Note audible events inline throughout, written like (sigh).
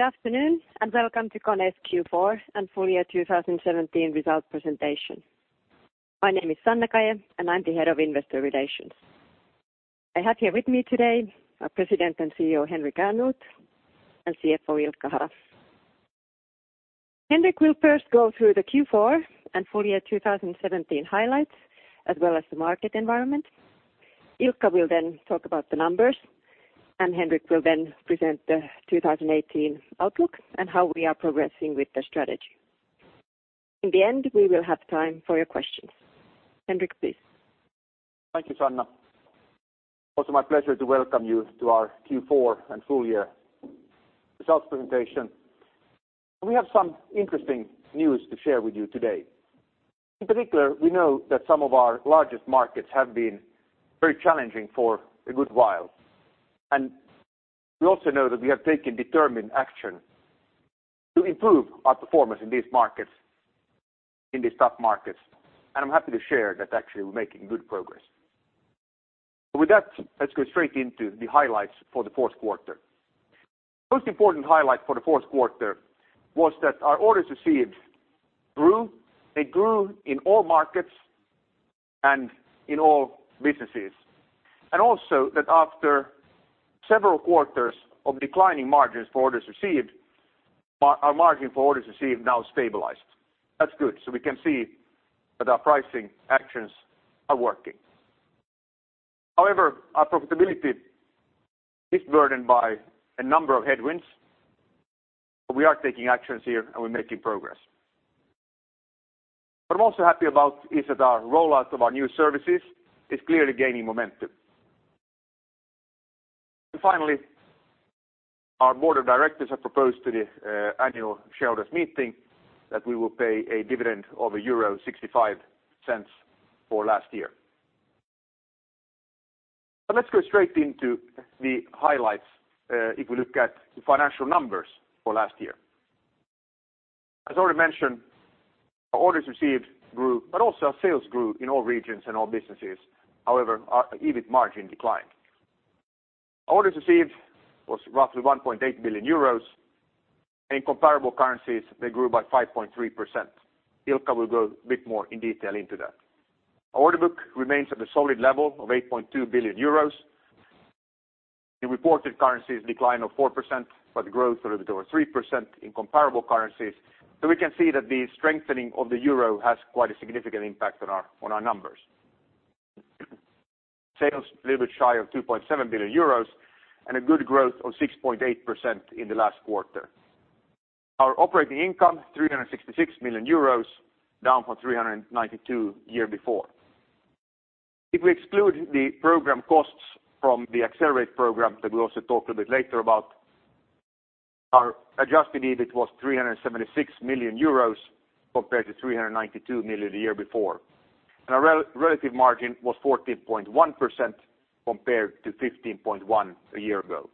Good afternoon, welcome to KONE's Q4 and full year 2017 results presentation. My name is Sanna Kaje and I'm the Head of Investor Relations. I have here with me today our President and CEO, Henrik Ehrnrooth, and CFO, Ilkka Hara. Henrik will first go through the Q4 and full year 2017 highlights, as well as the market environment. Ilkka will then talk about the numbers, Henrik will then present the 2018 outlook and how we are progressing with the strategy. In the end, we will have time for your questions. Henrik, please. Thank you, Sanna. Also my pleasure to welcome you to our Q4 and full year results presentation. We have some interesting news to share with you today. In particular, we know that some of our largest markets have been very challenging for a good while. We also know that we have taken determined action to improve our performance in these markets, in these tough markets, and I'm happy to share that actually we're making good progress. With that, let's go straight into the highlights for the fourth quarter. Most important highlight for the fourth quarter was that our orders received grew. They grew in all markets and in all businesses. Also that after several quarters of declining margins for orders received, our margin for orders received now stabilized. That's good. We can see that our pricing actions are working. However, our profitability is burdened by a number of headwinds. We are taking actions here and we're making progress. What I'm also happy about is that our rollout of our new services is clearly gaining momentum. Finally, our board of directors have proposed to the annual shareholders meeting that we will pay a dividend of euro 1.65 for last year. Let's go straight into the highlights, if we look at the financial numbers for last year. As already mentioned, our orders received grew, also our sales grew in all regions and all businesses. However, our EBIT margin declined. Orders received was roughly 1.8 billion euros. In comparable currencies, they grew by 5.3%. Ilkka will go a bit more in detail into that. Our order book remains at a solid level of 8.2 billion euros. In reported currencies, decline of 4%, but growth a little bit over 3% in comparable currencies. We can see that the strengthening of the euro has quite a significant impact on our numbers. Sales a little bit shy of 2.7 billion euros and a good growth of 6.8% in the last quarter. Our operating income, 366 million euros, down from 392 year before. If we exclude the program costs from the Accelerate program that we'll also talk a bit later about, our adjusted EBIT was 376 million euros compared to 392 million the year before. Our relative margin was 14.1% compared to 15.1% a year ago.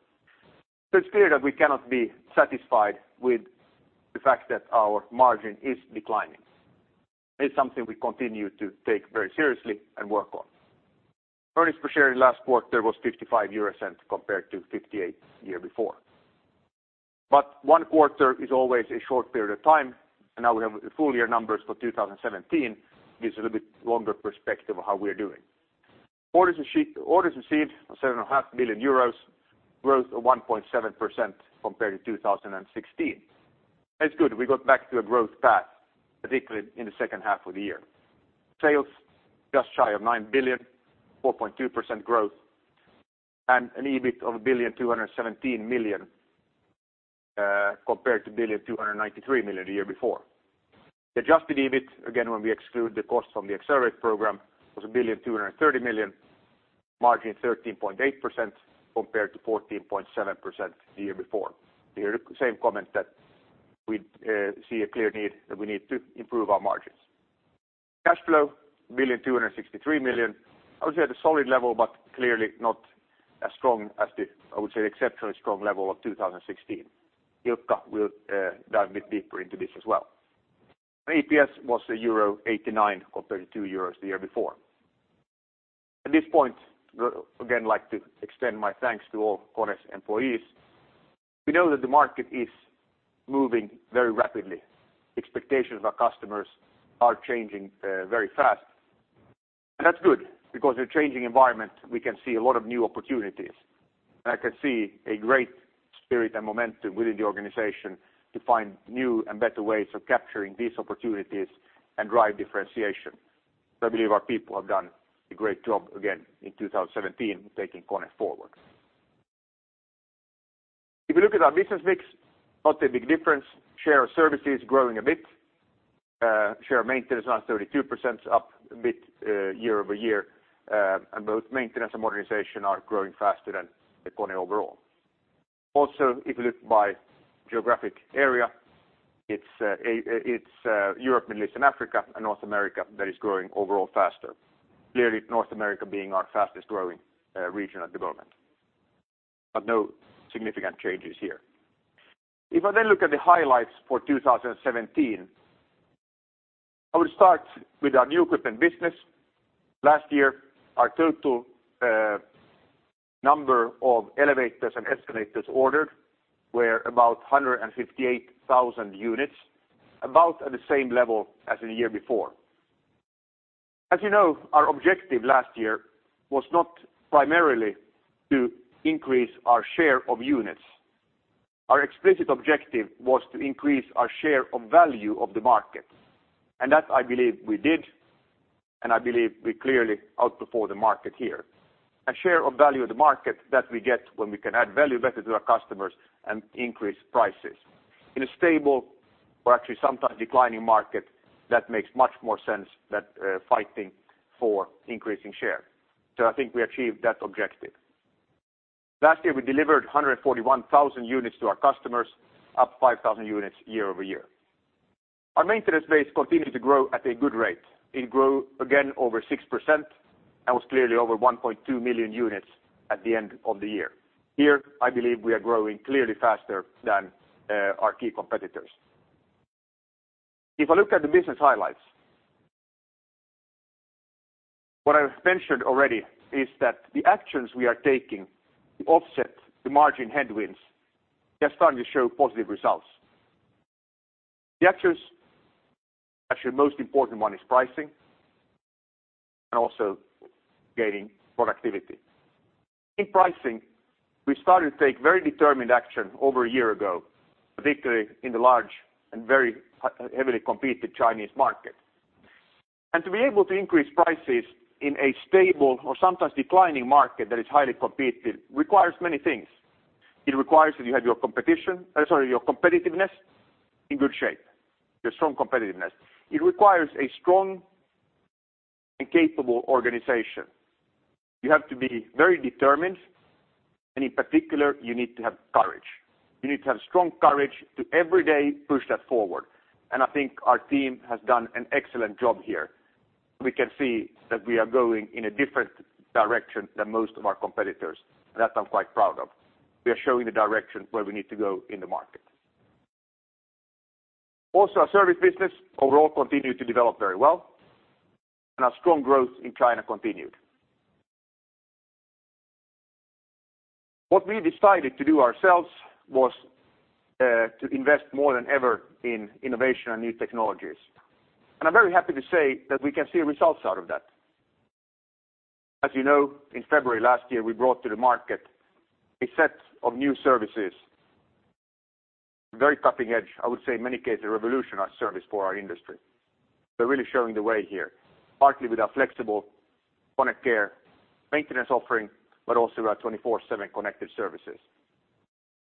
It's clear that we cannot be satisfied with the fact that our margin is declining. It's something we continue to take very seriously and work on. Earnings per share in last quarter was 0.55 compared to 0.58 the year before. One quarter is always a short period of time, and now we have the full year numbers for 2017, gives a little bit longer perspective of how we are doing. Orders received of 7.5 million euros, growth of 1.7% compared to 2016. That's good. We got back to a growth path, particularly in the second half of the year. Sales just shy of 9 billion, 4.2% growth, and an EBIT of 1.217 billion, compared to 1.293 billion the year before. The adjusted EBIT, again, when we exclude the cost from the Accelerate program, was 1.230 billion, margin 13.8% compared to 14.7% the year before. Here, the same comment that we see a clear need that we need to improve our margins. Cash flow, 1.263 billion. Obviously at a solid level, but clearly not as strong as the, I would say, exceptionally strong level of 2016. Ilkka will dive a bit deeper into this as well. EPS was euro 1.89 compared 2.00 euros the year before. At this point, again, I like to extend my thanks to all KONE's employees. We know that the market is moving very rapidly. Expectations of our customers are changing very fast. That's good because in a changing environment, we can see a lot of new opportunities. I can see a great spirit and momentum within the organization to find new and better ways of capturing these opportunities and drive differentiation. I believe our people have done a great job again in 2017 taking KONE forward. If you look at our business mix, not a big difference. Share of service is growing a bit. Share of maintenance, now at 32%, up a bit year over year. Both maintenance and modernization are growing faster than the KONE overall. Also, if you look by geographic area, it's Europe, Middle East, and Africa, and North America that is growing overall faster. Clearly, North America being our fastest growing region at the moment. No significant changes here. If I then look at the highlights for 2017. I will start with our new equipment business. Last year, our total number of elevators and escalators ordered were about 158,000 units, about at the same level as in the year before. As you know, our objective last year was not primarily to increase our share of units. Our explicit objective was to increase our share of value of the market. That, I believe, we did, and I believe we clearly outperformed the market here. A share of value of the market that we get when we can add value better to our customers and increase prices. In a stable or actually sometimes declining market, that makes much more sense than fighting for increasing share. I think we achieved that objective. Last year, we delivered 141,000 units to our customers, up 5,000 units year over year. Our maintenance base continued to grow at a good rate. It grew again over 6% and was clearly over 1.2 million units at the end of the year. Here, I believe we are growing clearly faster than our key competitors. If I look at the business highlights, what I've mentioned already is that the actions we are taking to offset the margin headwinds, they are starting to show positive results. The actions, actually the most important one is pricing and also gaining productivity. In pricing, we started to take very determined action over a year ago, particularly in the large and very heavily competed Chinese market. To be able to increase prices in a stable or sometimes declining market that is highly competitive requires many things. It requires that you have your competitiveness in good shape. Your strong competitiveness. It requires a strong and capable organization. You have to be very determined, and in particular, you need to have courage. You need to have strong courage to every day push that forward. I think our team has done an excellent job here. We can see that we are going in a different direction than most of our competitors. That I'm quite proud of. We are showing the direction where we need to go in the market. Also, our service business overall continued to develop very well, and our strong growth in China continued. What we decided to do ourselves was to invest more than ever in innovation and new technologies. I'm very happy to say that we can see results out of that. As you know, in February last year, we brought to the market a set of new services, very cutting-edge, I would say in many cases, a revolutionary service for our industry. We're really showing the way here, partly with our flexible KONE Care maintenance offering, but also our KONE 24/7 Connected Services.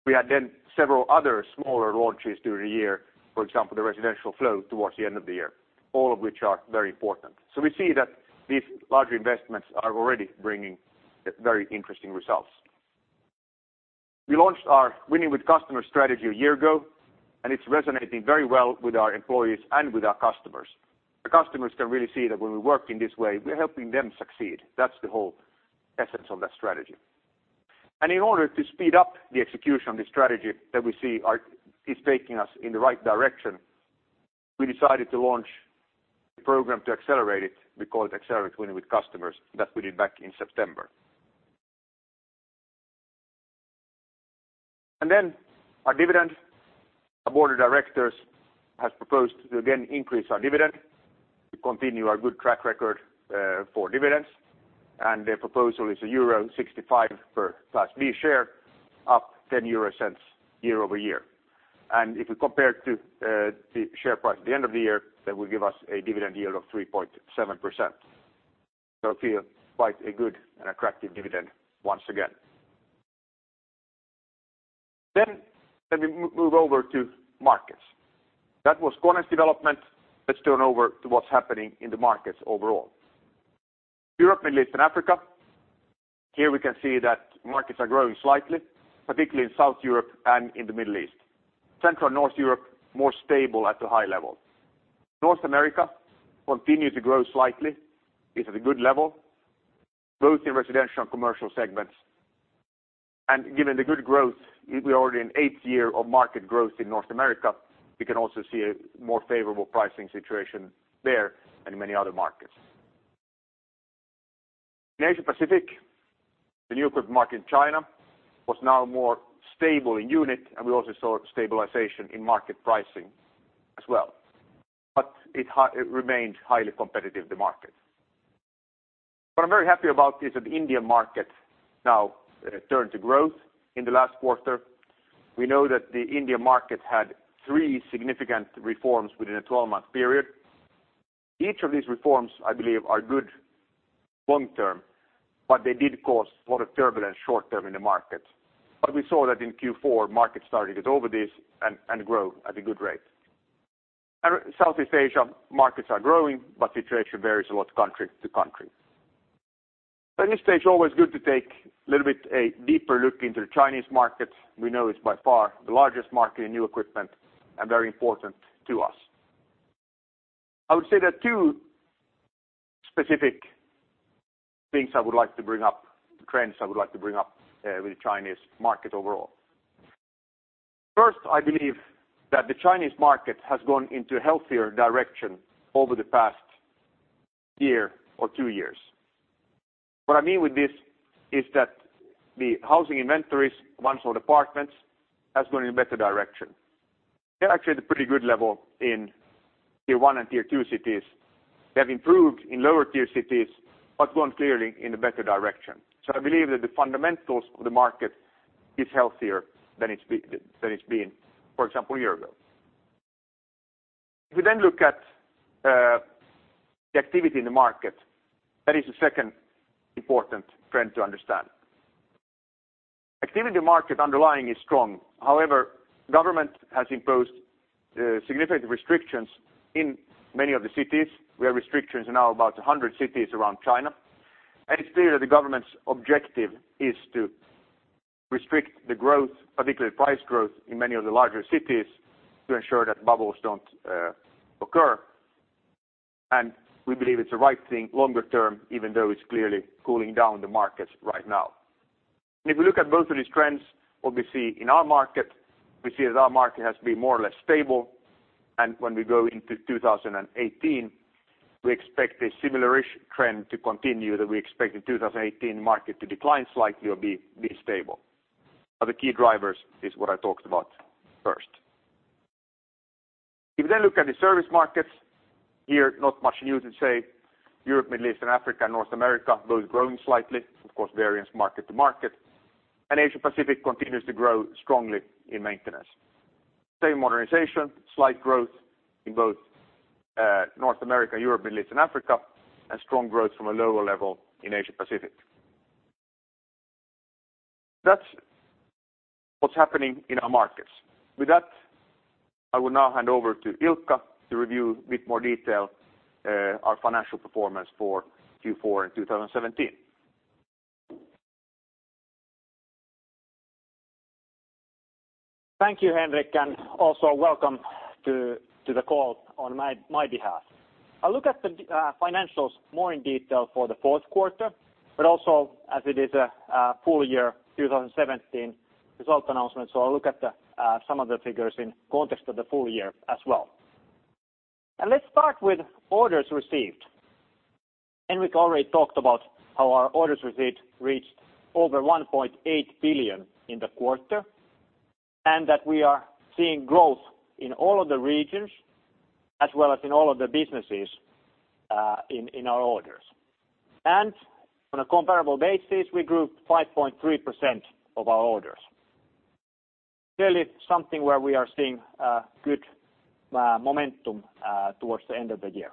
We had then several other smaller launches during the year, for example, the KONE Residential Flow towards the end of the year, all of which are very important. We see that these larger investments are already bringing very interesting results. We launched our Winning with Customers strategy a year ago, and it's resonating very well with our employees and with our customers. The customers can really see that when we work in this way, we are helping them succeed. That's the whole essence of that strategy. In order to speed up the execution of this strategy that we see is taking us in the right direction, we decided to launch a program to accelerate it. We call it Accelerate Winning with Customers. That we did back in September. Then our dividend. Our board of directors has proposed to again increase our dividend to continue our good track record for dividends. Their proposal is euro 1.65 per Class B share, up 0.10 year-over-year. If we compare it to the share price at the end of the year, that will give us a dividend yield of 3.7%. Feel quite a good and attractive dividend once again. Let me move over to markets. That was KONE's development. Let's turn over to what's happening in the markets overall. Europe, Middle East, and Africa. Here we can see that markets are growing slightly, particularly in South Europe and in the Middle East. Central and North Europe, more stable at a high level. North America continue to grow slightly, is at a good level, both in residential and commercial segments. Given the good growth, we're already in eighth year of market growth in North America. We can also see a more favorable pricing situation there and in many other markets. In Asia Pacific, the new equipment market in China was now more stable in unit, and we also saw stabilization in market pricing as well. It remained highly competitive, the market. What I'm very happy about is that the India market now turned to growth in the last quarter. We know that the India market had three significant reforms within a 12-month period. Each of these reforms, I believe, are good long term, but they did cause a lot of turbulence short term in the market. We saw that in Q4, market started to get over this and grow at a good rate. Southeast Asia markets are growing, but situation varies a lot country to country. At this stage, always good to take a little bit a deeper look into the Chinese market. We know it's by far the largest market in new equipment and very important to us. I would say there are two specific things I would like to bring up, trends I would like to bring up with the Chinese market overall. First, I believe that the Chinese market has gone into a healthier direction over the past year or two years. What I mean with this is that the housing inventories, ones for departments, has gone in a better direction. They're actually at a pretty good level in tier 1 and tier 2 cities. They have improved in lower tier cities, but gone clearly in a better direction. I believe that the fundamentals of the market is healthier than it's been, for example, a year ago. If we look at the activity in the market, that is the second important trend to understand. Activity in the market underlying is strong. However, government has imposed significant restrictions in many of the cities. We have restrictions now about 100 cities around China, and it's clear that the government's objective is to restrict the growth, particularly price growth, in many of the larger cities to ensure that bubbles don't occur. We believe it's the right thing longer term, even though it's clearly cooling down the markets right now. If we look at both of these trends, what we see in our market, we see that our market has been more or less stable. When we go into 2018, we expect a similar-ish trend to continue, that we expect the 2018 market to decline slightly or be stable. The key drivers is what I talked about first. If we look at the service markets, here not much new to say. Europe, Middle East and Africa, and North America both growing slightly. Of course, various market to market. Asia Pacific continues to grow strongly in maintenance. Same modernization, slight growth in both North America, Europe, Middle East and Africa, and strong growth from a lower level in Asia Pacific. That's what's happening in our markets. With that, I will now hand over to Ilkka to review with more detail our financial performance for Q4 in 2017. Thank you, Henrik, also welcome to the call on my behalf. I'll look at the financials more in detail for the fourth quarter, but also as it is a full year 2017 result announcement, I'll look at some of the figures in context of the full year as well. Let's start with orders received. Henrik already talked about how our orders received reached over 1.8 billion in the quarter, and that we are seeing growth in all of the regions as well as in all of the businesses in our orders. On a comparable basis, we grew 5.3% of our orders. Clearly something where we are seeing good momentum towards the end of the year.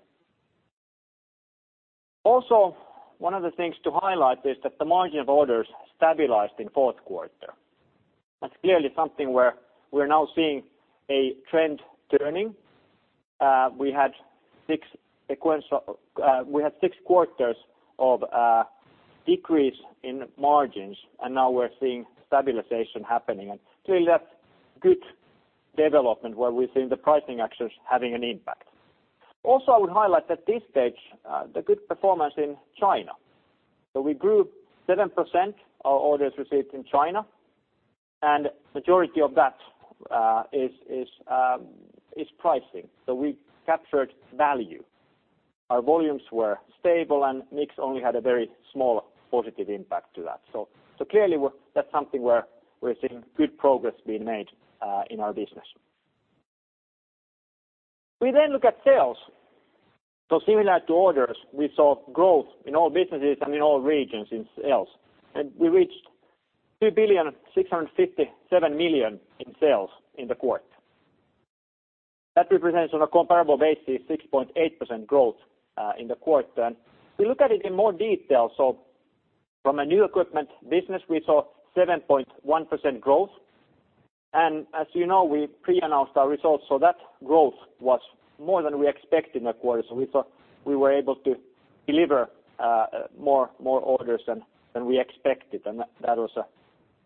Also, one of the things to highlight is that the margin of orders stabilized in fourth quarter. That's clearly something where we're now seeing a trend turning. We had six quarters of decrease in margins, and now we're seeing stabilization happening. Clearly that's good development where we're seeing the pricing actions having an impact. Also, I would highlight at this stage the good performance in China. We grew 7% our orders received in China, and majority of that is pricing. We captured value. Our volumes were stable, and mix only had a very small positive impact to that. Clearly, that's something where we're seeing good progress being made in our business. We look at sales. Similar to orders, we saw growth in all businesses and in all regions in sales. We reached 2.657 billion in sales in the quarter. That represents on a comparable basis 6.8% growth in the quarter. We look at it in more detail. From a new equipment business, we saw 7.1% growth. As you know, we pre-announced our results, so that growth was more than we expected in the quarter. We thought we were able to deliver more orders than we expected, and that was one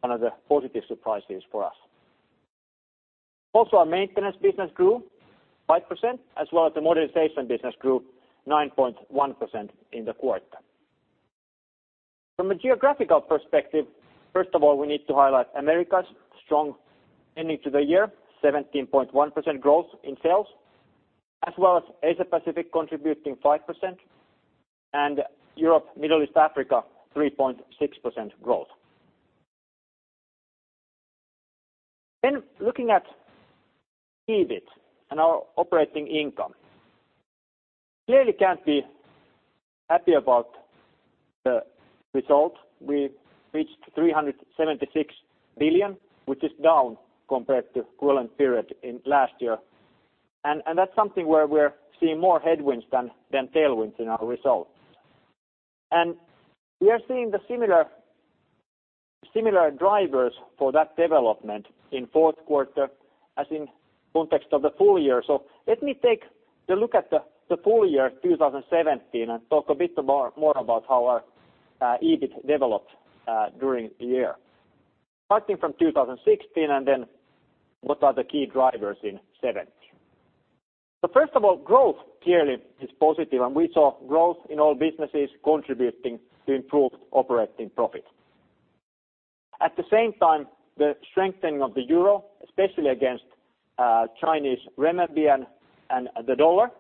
of the positive surprises for us. Also, our maintenance business grew 5%, as well as the modernization business grew 9.1% in the quarter. From a geographical perspective, first of all, we need to highlight America's strong ending to the year, 17.1% growth in sales. Asia Pacific contributing 5%, and Europe, Middle East, Africa, 3.6% growth. Looking at EBIT and our operating income. Clearly can't be happy about the result. We reached 376 million, which is down compared to equivalent period in last year. That's something where we're seeing more headwinds than tailwinds in our results. We are seeing the similar drivers for that development in fourth quarter as in context of the full year. Let me take the look at the full year 2017 and talk a bit more about how our EBIT developed during the year. Starting from 2016 and what are the key drivers in 2017. First of all, growth clearly is positive, and we saw growth in all businesses contributing to improved operating profit. At the same time, the strengthening of the euro, especially against Chinese renminbi and the dollar,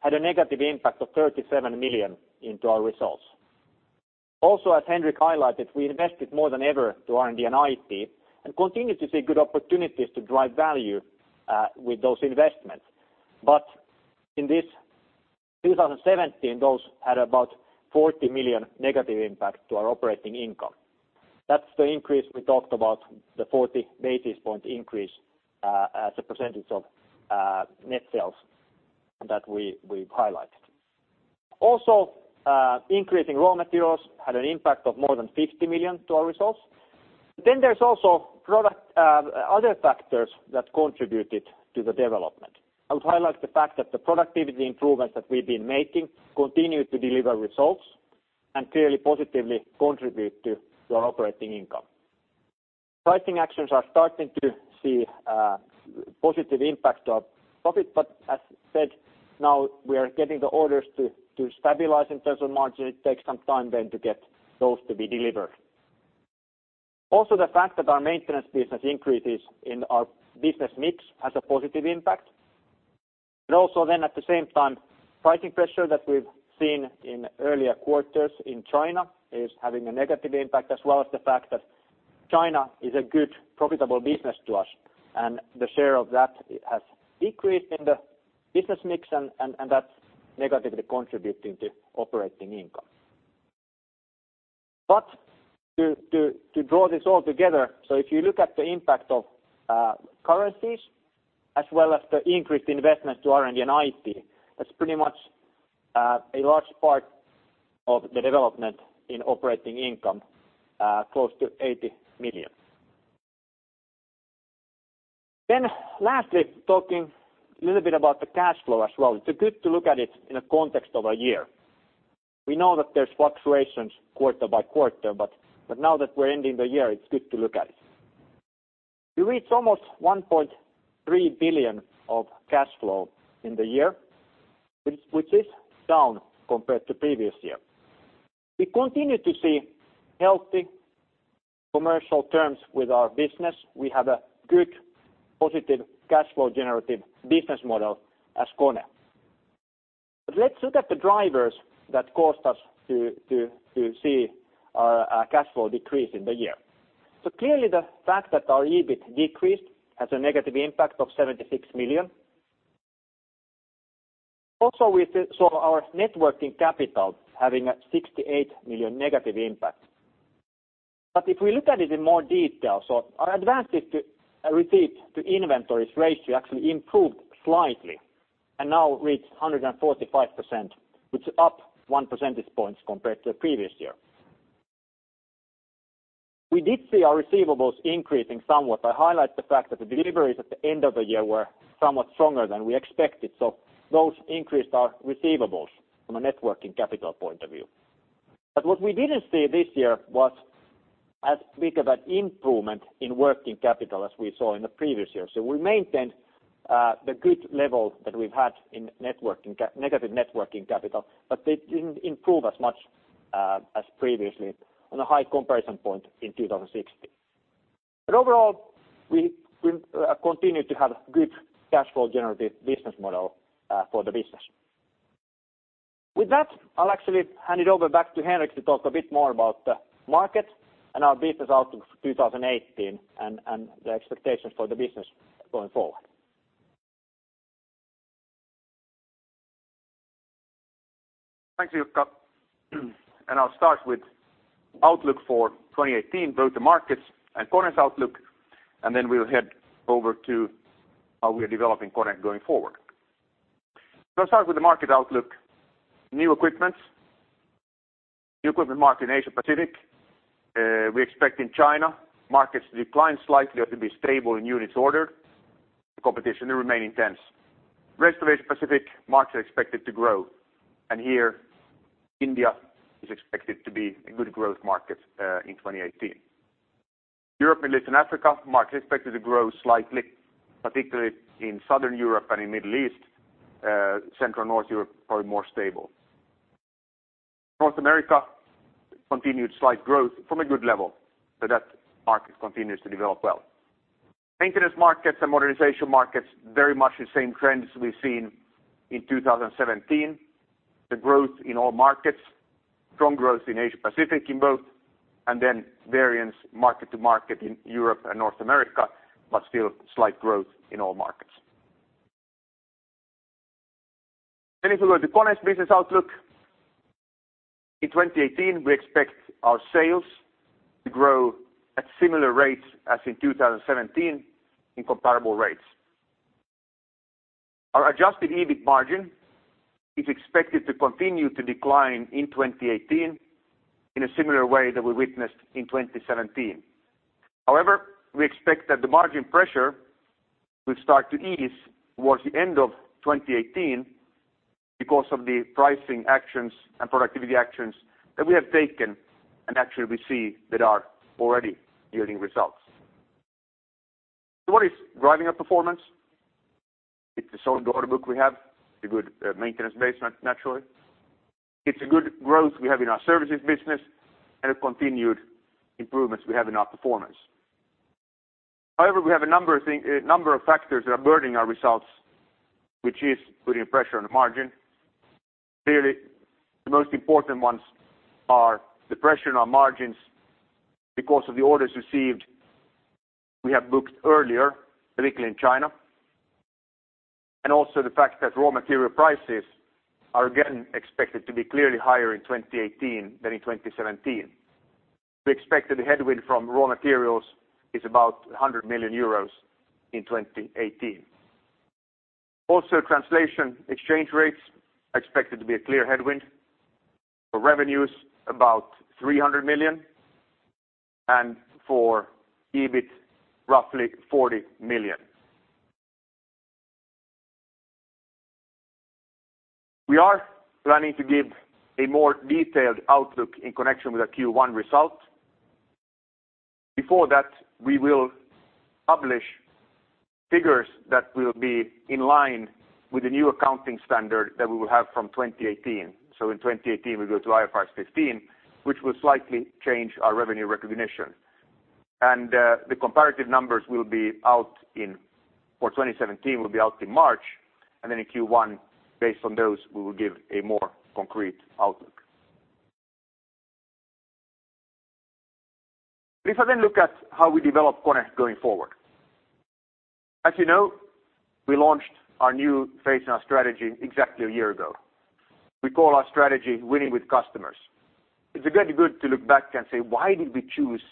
had a negative impact of 37 million into our results. Also, as Henrik highlighted, we invested more than ever to R&D and IT and continue to see good opportunities to drive value with those investments. In this 2017, those had about 40 million negative impact to our operating income. That's the increase we talked about, the 40 basis point increase as a percentage of net sales that we've highlighted. Increasing raw materials had an impact of more than 50 million to our results. There's also other factors that contributed to the development. I would highlight the fact that the productivity improvements that we've been making continue to deliver results and clearly positively contribute to our operating income. Pricing actions are starting to see a positive impact on profit, but as said, now we are getting the orders to stabilize in terms of margin. It takes some time then to get those to be delivered. The fact that our maintenance business increases in our business mix has a positive impact. Also then at the same time, pricing pressure that we've seen in earlier quarters in China is having a negative impact as well as the fact that China is a good profitable business to us and the share of that has decreased in the business mix and that's negatively contributing to operating income. To draw this all together, if you look at the impact of currencies as well as the increased investment to R&D and IT, that's pretty much a large part of the development in operating income, close to 80 million. Lastly, talking a little bit about the cash flow as well. It's good to look at it in a context of a year. We know that there's fluctuations quarter by quarter, but now that we're ending the year, it's good to look at it. We reached almost 1.3 billion of cash flow in the year, which is down compared to previous year. We continue to see healthy commercial terms with our business. We have a good positive cash flow generative business model as KONE. Let's look at the drivers that caused us to see our cash flow decrease in the year. Clearly the fact that our EBIT decreased has a negative impact of 76 million. We saw our networking capital having a 68 million negative impact. If we look at it in more detail, our advances to receipt to inventories ratio actually improved slightly and now reached 145%, which is up one percentage point compared to the previous year. We did see our receivables increasing somewhat. I highlight the fact that the deliveries at the end of the year were somewhat stronger than we expected, so those increased our receivables from a networking capital point of view. What we didn't see this year was as big of an improvement in working capital as we saw in the previous year. We maintained the good level that we've had in negative networking capital, but they didn't improve as much as previously on a high comparison point in 2016. Overall, we continue to have good cash flow generative business model for the business. With that, I'll actually hand it over back to Henrik to talk a bit more about the market and our business outlook for 2018 and the expectations for the business going forward. Thanks, Ilkka. I'll start with outlook for 2018, both the markets and KONE's outlook. Then we'll head over to how we are developing KONE going forward. I'll start with the market outlook. New equipment market in Asia Pacific. We expect in China markets to decline slightly or to be stable in units ordered, the competition remaining tense. Rest of Asia Pacific markets are expected to grow. Here India is expected to be a good growth market in 2018. Europe, Middle East, and Africa markets expected to grow slightly, particularly in Southern Europe and in Middle East. Central and North Europe, probably more stable. North America continued slight growth from a good level. That market continues to develop well. Maintenance markets and modernization markets, very much the same trends we've seen in 2017. The growth in all markets, strong growth in Asia Pacific in both. Variance market to market in Europe and North America, still slight growth in all markets. If we go to KONE's business outlook. In 2018, we expect our sales to grow at similar rates as in 2017 in comparable rates. Our adjusted EBIT margin is expected to continue to decline in 2018 in a similar way that we witnessed in 2017. We expect that the margin pressure will start to ease towards the end of 2018 because of the pricing actions and productivity actions that we have taken and actually we see that are already yielding results. What is driving our performance? It's the solid order book we have, the good maintenance base naturally. It's a good growth we have in our services business, the continued improvements we have in our performance. We have a number of factors that are burdening our results, which is putting pressure on the margin. Clearly, the most important ones are the pressure on our margins because of the orders received we have booked earlier, particularly in China. Also the fact that raw material prices are again expected to be clearly higher in 2018 than in 2017. We expect that the headwind from raw materials is about 100 million euros in 2018. Also translation exchange rates expected to be a clear headwind. For revenues, about 300 million, for EBIT, roughly 40 million. We are planning to give a more detailed outlook in connection with our Q1 results. Before that, we will publish figures that will be in line with the new accounting standard that we will have from 2018. In 2018, we go to IFRS 15, which will slightly change our revenue recognition. The comparative numbers for 2017 will be out in March. In Q1, based on those, we will give a more concrete outlook. If I look at how we develop KONE going forward. As you know, we launched our new phase in our strategy exactly a year ago. We call our strategy Winning with Customers. It's good to look back and say, why did we choose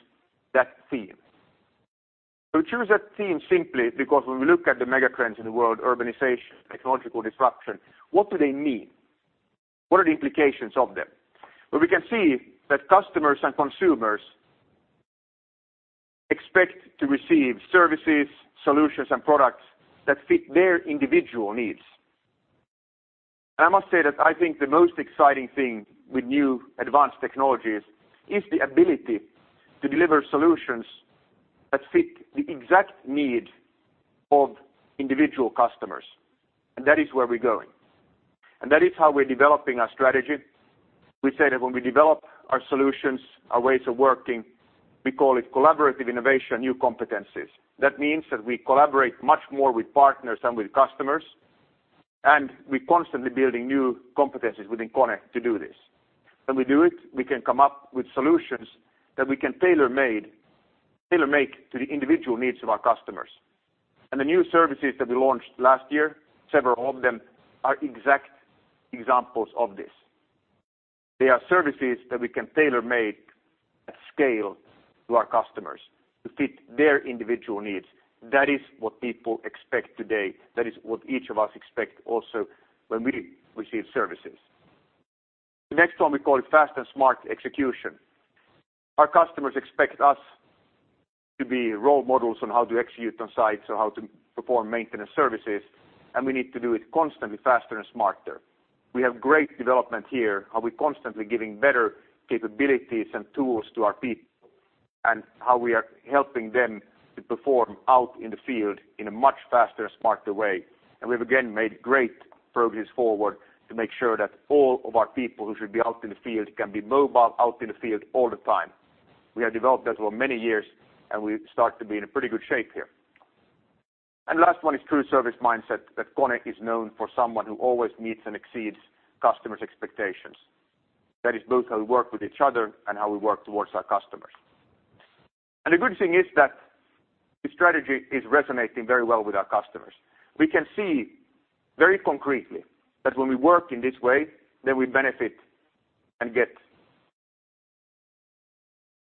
that theme? We chose that theme simply because when we look at the mega trends in the world, urbanization, technological disruption, what do they mean? What are the implications of them? We can see that customers and consumers expect to receive services, solutions, and products that fit their individual needs. I must say that I think the most exciting thing with new advanced technologies is the ability to deliver solutions that fit the exact need of individual customers. That is where we're going. That is how we're developing our strategy. We say that when we develop our solutions, our ways of working, we call it collaborative innovation, new competencies. That means that we collaborate much more with partners than with customers, and we're constantly building new competencies within KONE to do this. When we do it, we can come up with solutions that we can tailor-make to the individual needs of our customers. The new services that we launched last year, several of them are exact examples of this. They are services that we can tailor-make at scale to our customers to fit their individual needs. That is what people expect today. That is what each of us expect also when we receive services. The next one we call fast and smart execution. Our customers expect us to be role models on how to execute on site, so how to perform maintenance services, and we need to do it constantly faster and smarter. We have great development here, how we're constantly giving better capabilities and tools to our people, and how we are helping them to perform out in the field in a much faster and smarter way. We've again made great progress forward to make sure that all of our people who should be out in the field can be mobile out in the field all the time. We have developed that over many years, and we start to be in a pretty good shape here. The last one is true service mindset that KONE is known for someone who always meets and exceeds customers' expectations. That is both how we work with each other and how we work towards our customers. The good thing is that the strategy is resonating very well with our customers. We can see very concretely that when we work in this way, then we benefit and get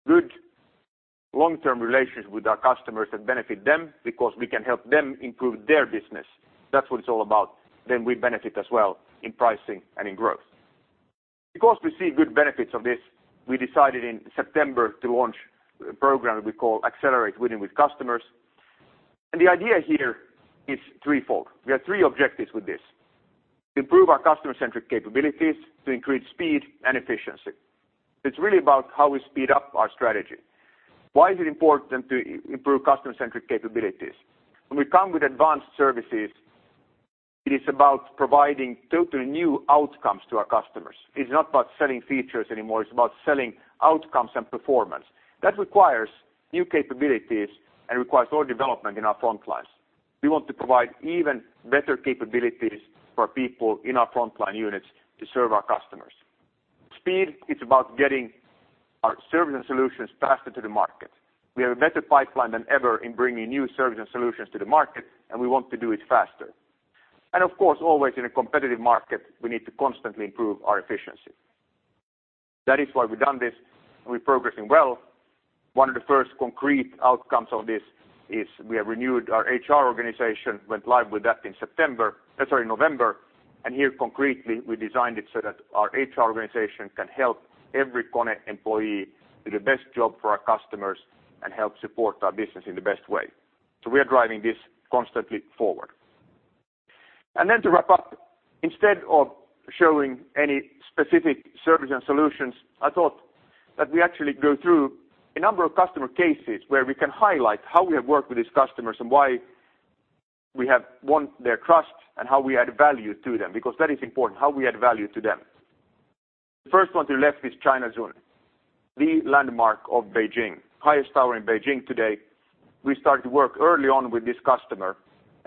good long-term relations with our customers that benefit them because we can help them improve their business. That's what it's all about. We benefit as well in pricing and in growth. We see good benefits of this, we decided in September to launch a program we call Accelerate Winning with Customers. The idea here is threefold. We have three objectives with this. Improve our customer-centric capabilities to increase speed and efficiency. It's really about how we speed up our strategy. Why is it important to improve customer-centric capabilities? When we come with advanced services, it is about providing totally new outcomes to our customers. It's not about selling features anymore. It's about selling outcomes and performance. That requires new capabilities and requires more development in our front lines. We want to provide even better capabilities for people in our frontline units to serve our customers. Speed is about getting our service and solutions faster to the market. We have a better pipeline than ever in bringing new service and solutions to the market, and we want to do it faster. Of course, always in a competitive market, we need to constantly improve our efficiency. That is why we've done this, and we're progressing well. One of the first concrete outcomes of this is we have renewed our HR organization, went live with that in September, sorry, November. Here concretely, we designed it so that our HR organization can help every KONE employee do the best job for our customers and help support our business in the best way. We are driving this constantly forward. To wrap up, instead of showing any specific service and solutions, I thought that we actually go through a number of customer cases where we can highlight how we have worked with these customers and why we have won their trust, and how we add value to them, because that is important, how we add value to them. The first one to left is China Zun, the landmark of Beijing, highest tower in Beijing today. We started to work early on with this customer.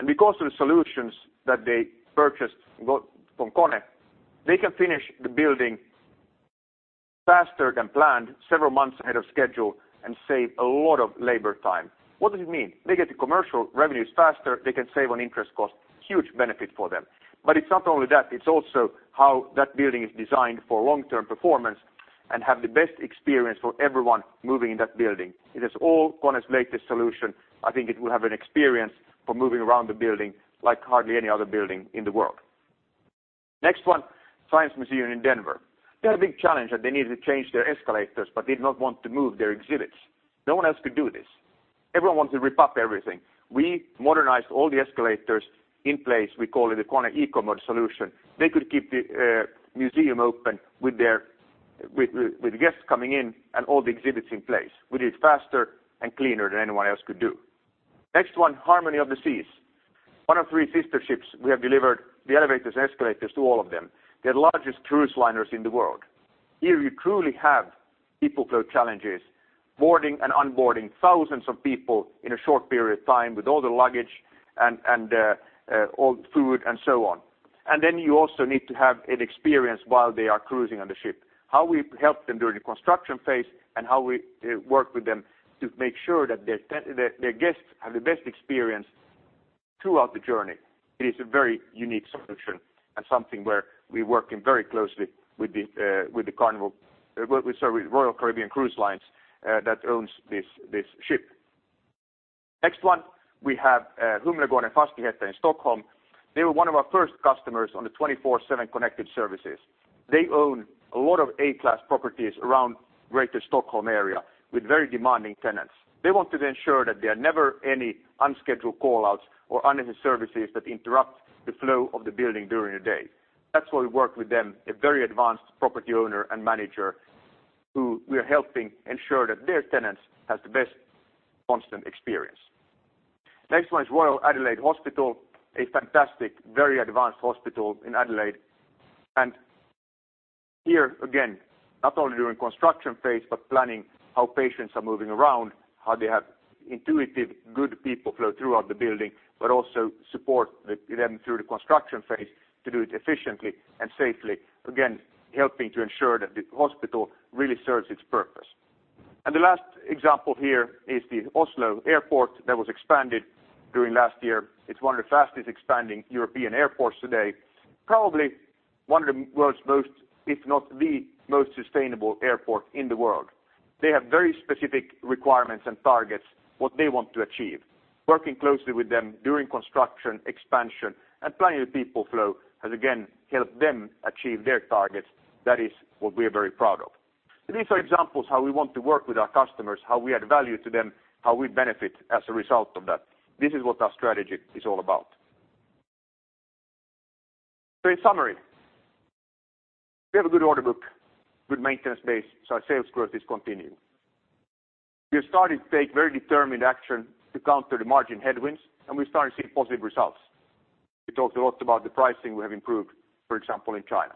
Because of the solutions that they purchased from KONE, they can finish the building faster than planned several months ahead of schedule and save a lot of labor time. What does it mean? They get the commercial revenues faster. They can save on interest costs, huge benefit for them. It's not only that, it's also how that building is designed for long-term performance and have the best experience for everyone moving in that building. It is all KONE's latest solution. I think it will have an experience for moving around the building like hardly any other building in the world. Next one, Science Museum in Denver. They had a big challenge that they needed to change their escalators, but did not want to move their exhibits. No one else could do this. Everyone wants to rip up everything. We modernized all the escalators in place. We call it a KONE EcoMod solution. They could keep the museum open with guests coming in and all the exhibits in place. We did it faster and cleaner than anyone else could do. Next one, Harmony of the Seas. One of three sister ships. We have delivered the elevators and escalators to all of them, the largest cruise liners in the world. Here, you truly have people flow challenges, boarding and unboarding thousands of people in a short period of time with all the luggage and all the food and so on. You also need to have an experience while they are cruising on the ship. How we help them during the construction phase and how we work with them to make sure that their guests have the best experience throughout the journey. It is a very unique solution and something where we're working very closely with Royal Caribbean Cruise Lines that owns this ship. Next one, we have Humlegården Fastigheter in Stockholm. They were one of our first customers on the KONE 24/7 Connected Services. They own a lot of A-class properties around greater Stockholm area with very demanding tenants. They wanted to ensure that there are never any unscheduled call-outs or unnecessary services that interrupt the flow of the building during the day. That's why we worked with them, a very advanced property owner and manager who we are helping ensure that their tenants has the best constant experience. Next one is Royal Adelaide Hospital, a fantastic, very advanced hospital in Adelaide. Here again, not only during construction phase, but planning how patients are moving around, how they have intuitive, good people flow throughout the building, but also support them through the construction phase to do it efficiently and safely. Helping to ensure that the hospital really serves its purpose. The last example here is the Oslo Airport that was expanded during last year. It's one of the fastest expanding European airports today. Probably one of the world's most, if not the most sustainable airport in the world. They have very specific requirements and targets, what they want to achieve. Working closely with them during construction, expansion, and planning the people flow has again helped them achieve their targets. That is what we are very proud of. These are examples how we want to work with our customers, how we add value to them, how we benefit as a result of that. This is what our strategy is all about. In summary, we have a good order book, good maintenance base, so our sales growth is continuing. We have started to take very determined action to counter the margin headwinds, and we're starting to see positive results. We talked a lot about the pricing we have improved, for example, in China.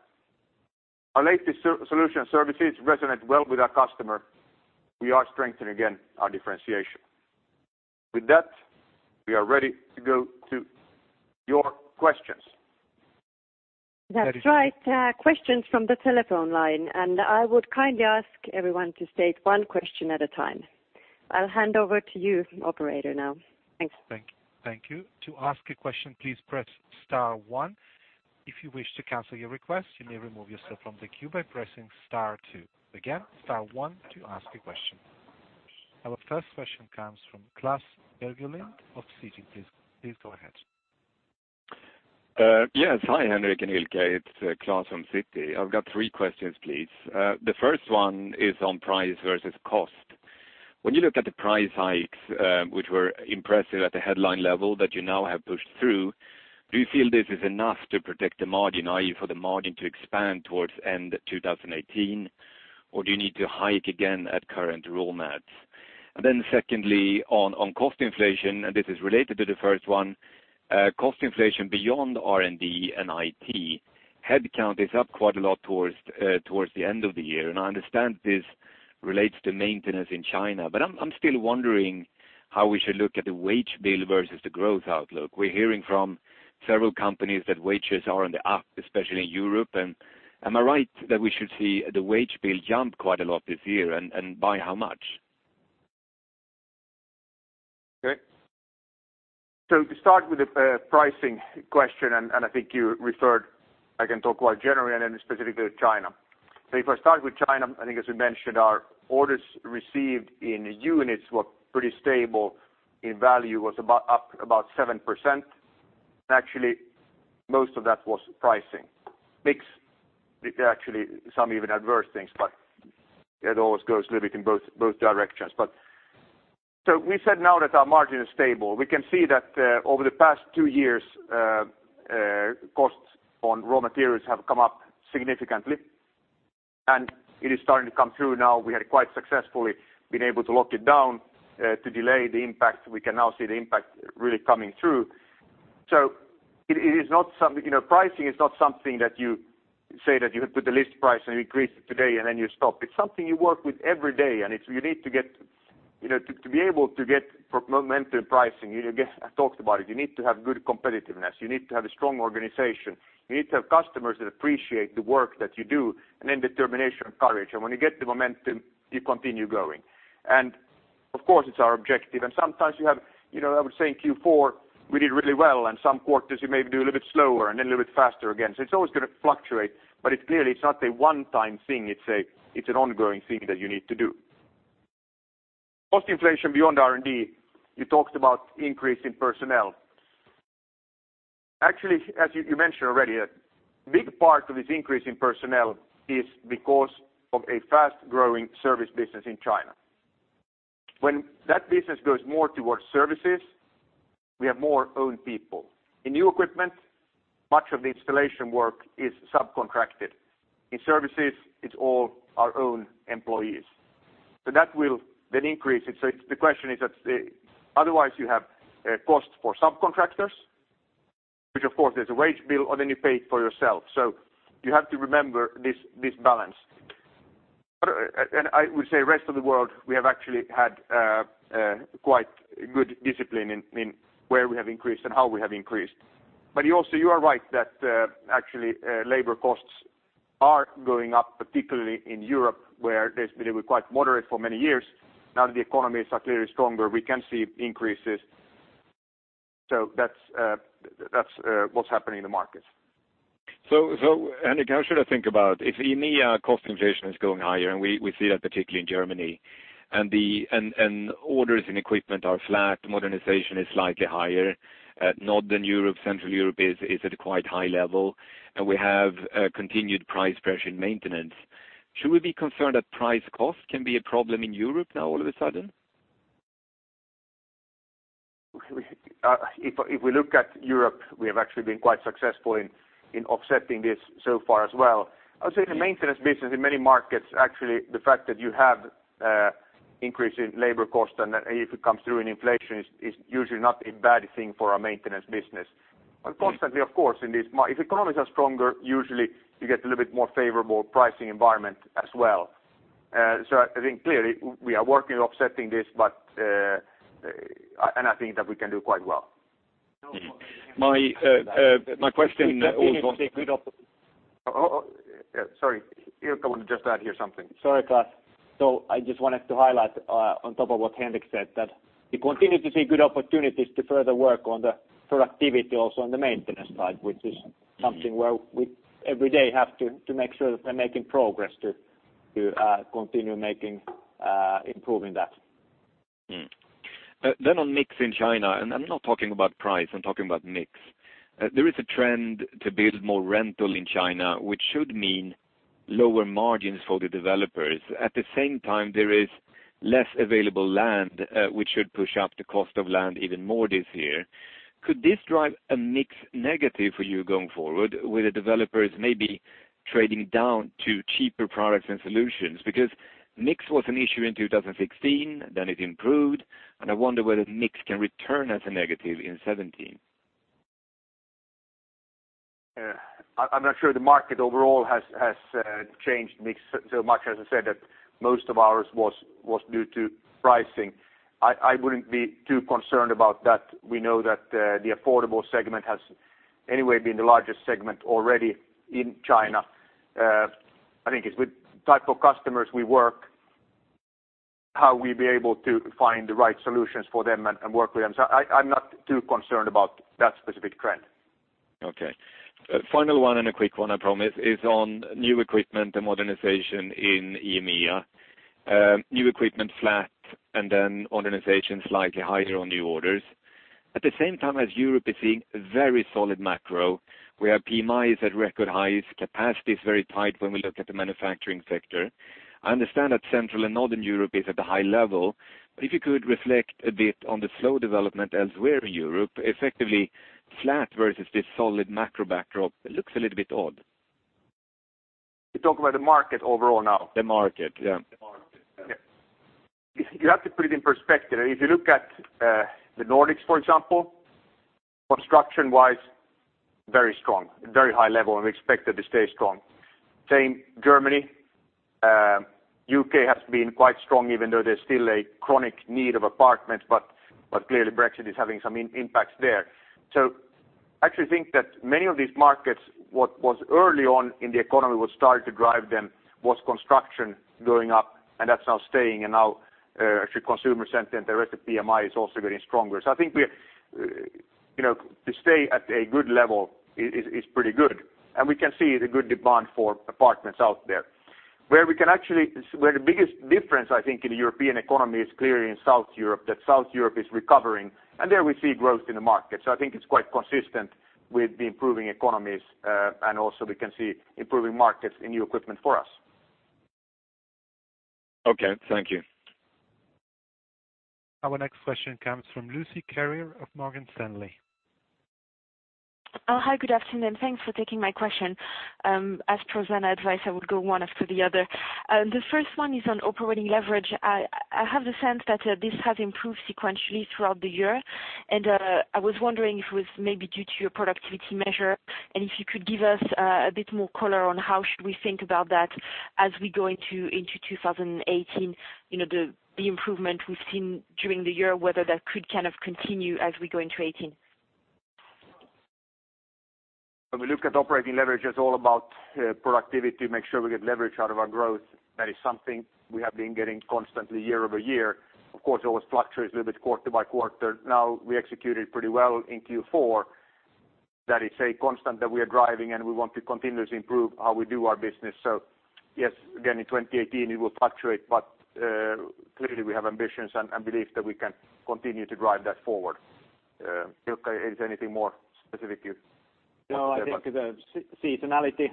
Our latest solution services resonate well with our customer. We are strengthening again our differentiation. With that, we are ready to go to your questions. That's right. Questions from the telephone line, I would kindly ask everyone to state one question at a time. I'll hand over to you, operator now. Thanks. Thank you. To ask a question, please press star one. If you wish to cancel your request, you may remove yourself from the queue by pressing star two. Star one to ask a question. Our first question comes from Klas Bergelind of Citi. Please go ahead. To start with the pricing question, I think you referred, I can talk quite generally and then specifically China. If I start with China, I think as we mentioned, our orders received in units were pretty stable. In value was up about 7%. Actually, most of that was pricing. Mix, actually some even adverse things, but it always goes a little bit in both directions. We said now that our margin is stable. We can see that over the past 2 years, costs on raw materials have come up significantly, and it is starting to come through now. We had quite successfully been able to lock it down to delay the impact. We can now see the impact really coming through. Pricing is not something that you say that you put the list price and increase it today and then you stop. It's something you work with every day. If you need to be able to get momentum pricing, I talked about it. You need to have good competitiveness. You need to have a strong organization. You need to have customers that appreciate the work that you do, and then determination and courage. When you get the momentum, you continue growing. Of course, it's our objective. Sometimes you have, I would say in Q4, we did really well, and some quarters you may do a little bit slower and then a little bit faster again. It's always going to fluctuate, but clearly it's not a one-time thing. It's an ongoing thing that you need to do. Cost inflation beyond R&D, you talked about increase in personnel. Actually, as you mentioned already, a big part of this increase in personnel is because of a fast-growing service business in China. When that business goes more towards services, we have more own people. In new equipment, much of the installation work is subcontracted. In services, it's all our own employees. That will then increase it. The question is that otherwise you have a cost for subcontractors, which of course there's a wage bill, and then you pay for yourself. You have to remember this balance. I would say rest of the world, we have actually had quite good discipline in where we have increased and how we have increased. Also you are right that actually labor costs are going up, particularly in Europe, where they've been quite moderate for many years. Now that the economies are clearly stronger, we can see increases. That's what's happening in the markets. Henrik, how should I think about if EMEA cost inflation is going higher, and we see that particularly in Germany. Orders in equipment are flat, modernization is slightly higher. Northern Europe, central Europe is at a quite high level, and we have continued price pressure in maintenance. Should we be concerned that price cost can be a problem in Europe now all of a sudden? If we look at Europe, we have actually been quite successful in offsetting this so far as well. I would say the maintenance business in many markets, actually, the fact that you have increase in labor cost and if it comes through in inflation is usually not a bad thing for our maintenance business. Constantly, of course, if economies are stronger, usually you get a little bit more favorable pricing environment as well. I think clearly we are working on offsetting this, and I think that we can do quite well. My question Sorry, Ilkka wanted to just add here something. Sorry, Klas. I just wanted to highlight on top of what Henrik said, that we continue to see good opportunities to further work on the productivity also on the maintenance side, which is something where we every day have to make sure that we're making progress to continue improving that. On mix in China, I'm not talking about price, I'm talking about mix. There is a trend to build more rental in China, which should mean lower margins for the developers. At the same time, there is less available land, which should push up the cost of land even more this year. Could this drive a mix negative for you going forward with the developers maybe trading down to cheaper products and solutions? Mix was an issue in 2016, it improved, I wonder whether mix can return as a negative in 2017. I'm not sure the market overall has changed mix so much as I said that most of ours was due to pricing. I wouldn't be too concerned about that. We know that the affordable segment has anyway been the largest segment already in China. I think it's with the type of customers we work, how we'll be able to find the right solutions for them and work with them. I'm not too concerned about that specific trend. Okay. Final one, a quick one, I promise, is on new equipment and modernization in EMEA. New equipment flat, modernization slightly higher on new orders. At the same time as Europe is seeing very solid macro, where PMI is at record highs, capacity is very tight when we look at the manufacturing sector. I understand that Central and Northern Europe is at the high level, if you could reflect a bit on the slow development elsewhere in Europe, effectively flat versus this solid macro backdrop, it looks a little bit odd. You're talking about the market overall now? The market, yeah. You have to put it in perspective. If you look at the Nordics, for example, construction-wise, very strong, very high level, and we expect it to stay strong. Same Germany. U.K. has been quite strong, even though there's still a chronic need of apartments, but clearly Brexit is having some impacts there. I actually think that many of these markets, what was early on in the economy, what started to drive them was construction going up, and that's now staying and now actually consumer sentiment, the rest of PMI is also getting stronger. I think to stay at a good level is pretty good. We can see the good demand for apartments out there. Where the biggest difference, I think, in the European economy is clearly in South Europe, that South Europe is recovering, and there we see growth in the market. I think it's quite consistent with the improving economies, and also we can see improving markets in new equipment for us. Okay, thank you. Our next question comes from Lucie Carrier of Morgan Stanley. Hi, good afternoon. Thanks for taking my question. As per Sanna Kaje advice, I will go one after the other. The first one is on operating leverage. I have the sense that this has improved sequentially throughout the year. I was wondering if it was maybe due to your productivity measure, if you could give us a bit more color on how should we think about that as we go into 2018. The improvement we've seen during the year, whether that could kind of continue as we go into 2018. When we look at operating leverage, it's all about productivity, make sure we get leverage out of our growth. That is something we have been getting constantly year-over-year. Of course, it always fluctuates a little bit quarter-by-quarter. Now, we executed pretty well in Q4. That is a constant that we are driving, we want to continuously improve how we do our business. Yes, again, in 2018, it will fluctuate, but clearly, we have ambitions and beliefs that we can continue to drive that forward. Ilkka Hara, is there anything more specific you'd say about- No, I think the seasonality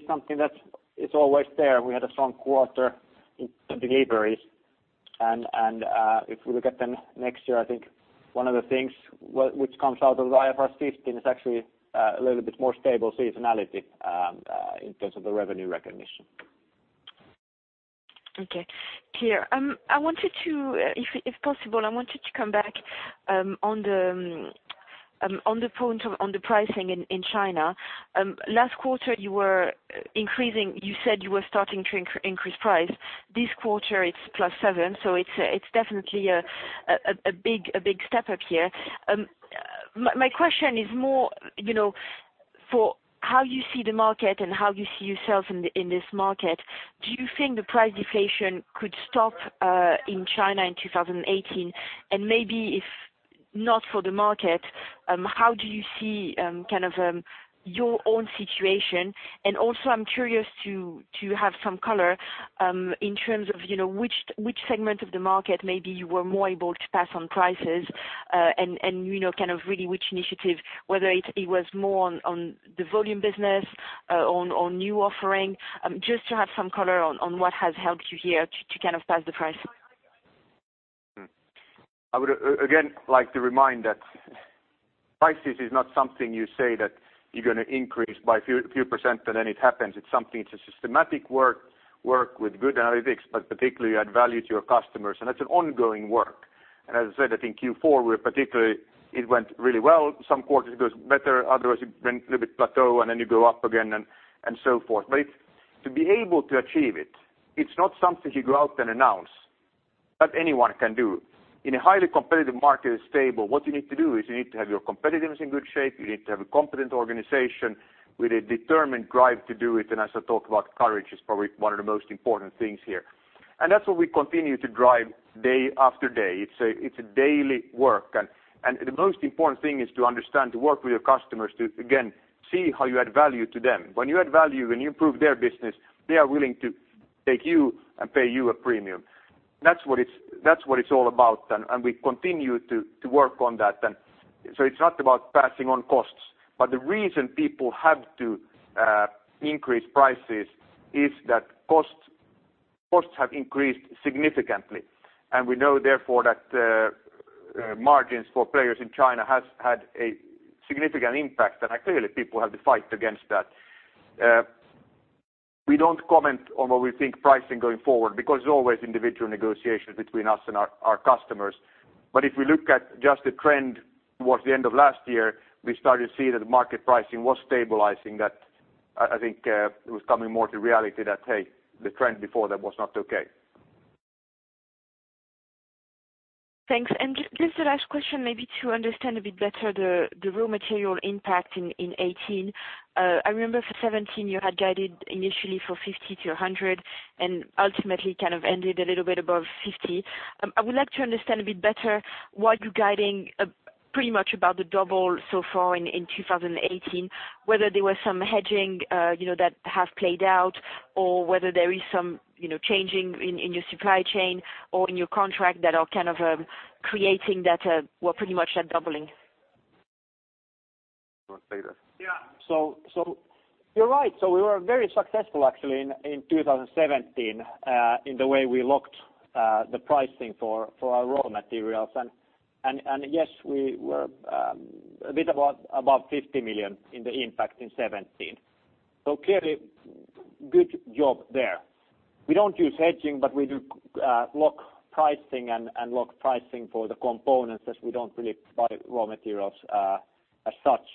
is something that is always there. We had a strong quarter in deliveries. If we look at them next year, I think one of the things which comes out of the IFRS 15 is actually a little bit more stable seasonality in terms of the revenue recognition. Okay, clear. If possible, I want you to come back on the point on the pricing in China. Last quarter, you said you were starting to increase price. This quarter, it's +7%, so it's definitely a big step up here. My question is more for how you see the market and how you see yourself in this market. Do you think the price deflation could stop in China in 2018? Maybe if not for the market, how do you see your own situation? Also, I'm curious to have some color in terms of which segment of the market maybe you were more able to pass on prices and really which initiative, whether it was more on the volume business, on new offering, just to have some color on what has helped you here to pass the price. I would again like to remind that prices are not something you say that you're going to increase by a few %, and then it happens. It's a systematic work with good analytics, particularly add value to your customers. That's an ongoing work. As I said, I think Q4, particularly, it went really well. Some quarters it goes better, otherwise it went a little bit plateau, you go up again and so forth. To be able to achieve it's not something you go out and announce that anyone can do. In a highly competitive market that's stable, what you need to do is you need to have your competitors in good shape. You need to have a competent organization with a determined drive to do it. As I talk about courage, it's probably one of the most important things here. That's what we continue to drive day after day. It's a daily work, the most important thing is to understand, to work with your customers to, again, see how you add value to them. When you add value, when you improve their business, they are willing to take you and pay you a premium. That's what it's all about, we continue to work on that then. It's not about passing on costs, the reason people have to increase prices is that costs have increased significantly. We know therefore that margins for players in China have had a significant impact, clearly people have to fight against that. We don't comment on what we think pricing going forward because there's always individual negotiations between us and our customers. If we look at just the trend towards the end of last year, we started to see that the market pricing was stabilizing; that I think it was coming more to reality that, hey, the trend before that was not okay. Thanks. Just the last question, maybe to understand a bit better the raw material impact in 2018. I remember for 2017, you had guided initially for 50 million to 100 million and ultimately kind of ended a little bit above 50 million. I would like to understand a bit better why you're guiding pretty much about the double so far in 2018, whether there was some hedging that has played out or whether there is some changing in your supply chain or in your contract that are kind of creating that pretty much that doubling. You want to say that? Yeah. You're right. We were very successful actually in 2017 in the way we locked the pricing for our raw materials. Yes, we were a bit above 50 million in the impact in 2017. Clearly good job there. We don't use hedging, but we do lock pricing and lock pricing for the components as we don't really buy raw materials as such.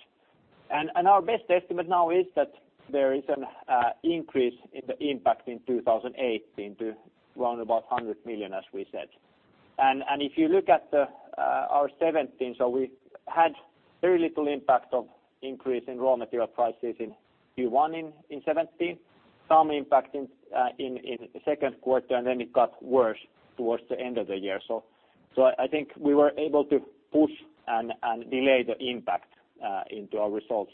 Our best estimate now is that there is an increase in the impact in 2018 to around about 100 million, as we said. If you look at our 2017, we had very little impact of increase in raw material prices in Q1 in 2017, some impact in the second quarter, it got worse towards the end of the year. I think we were able to push and delay the impact into our results.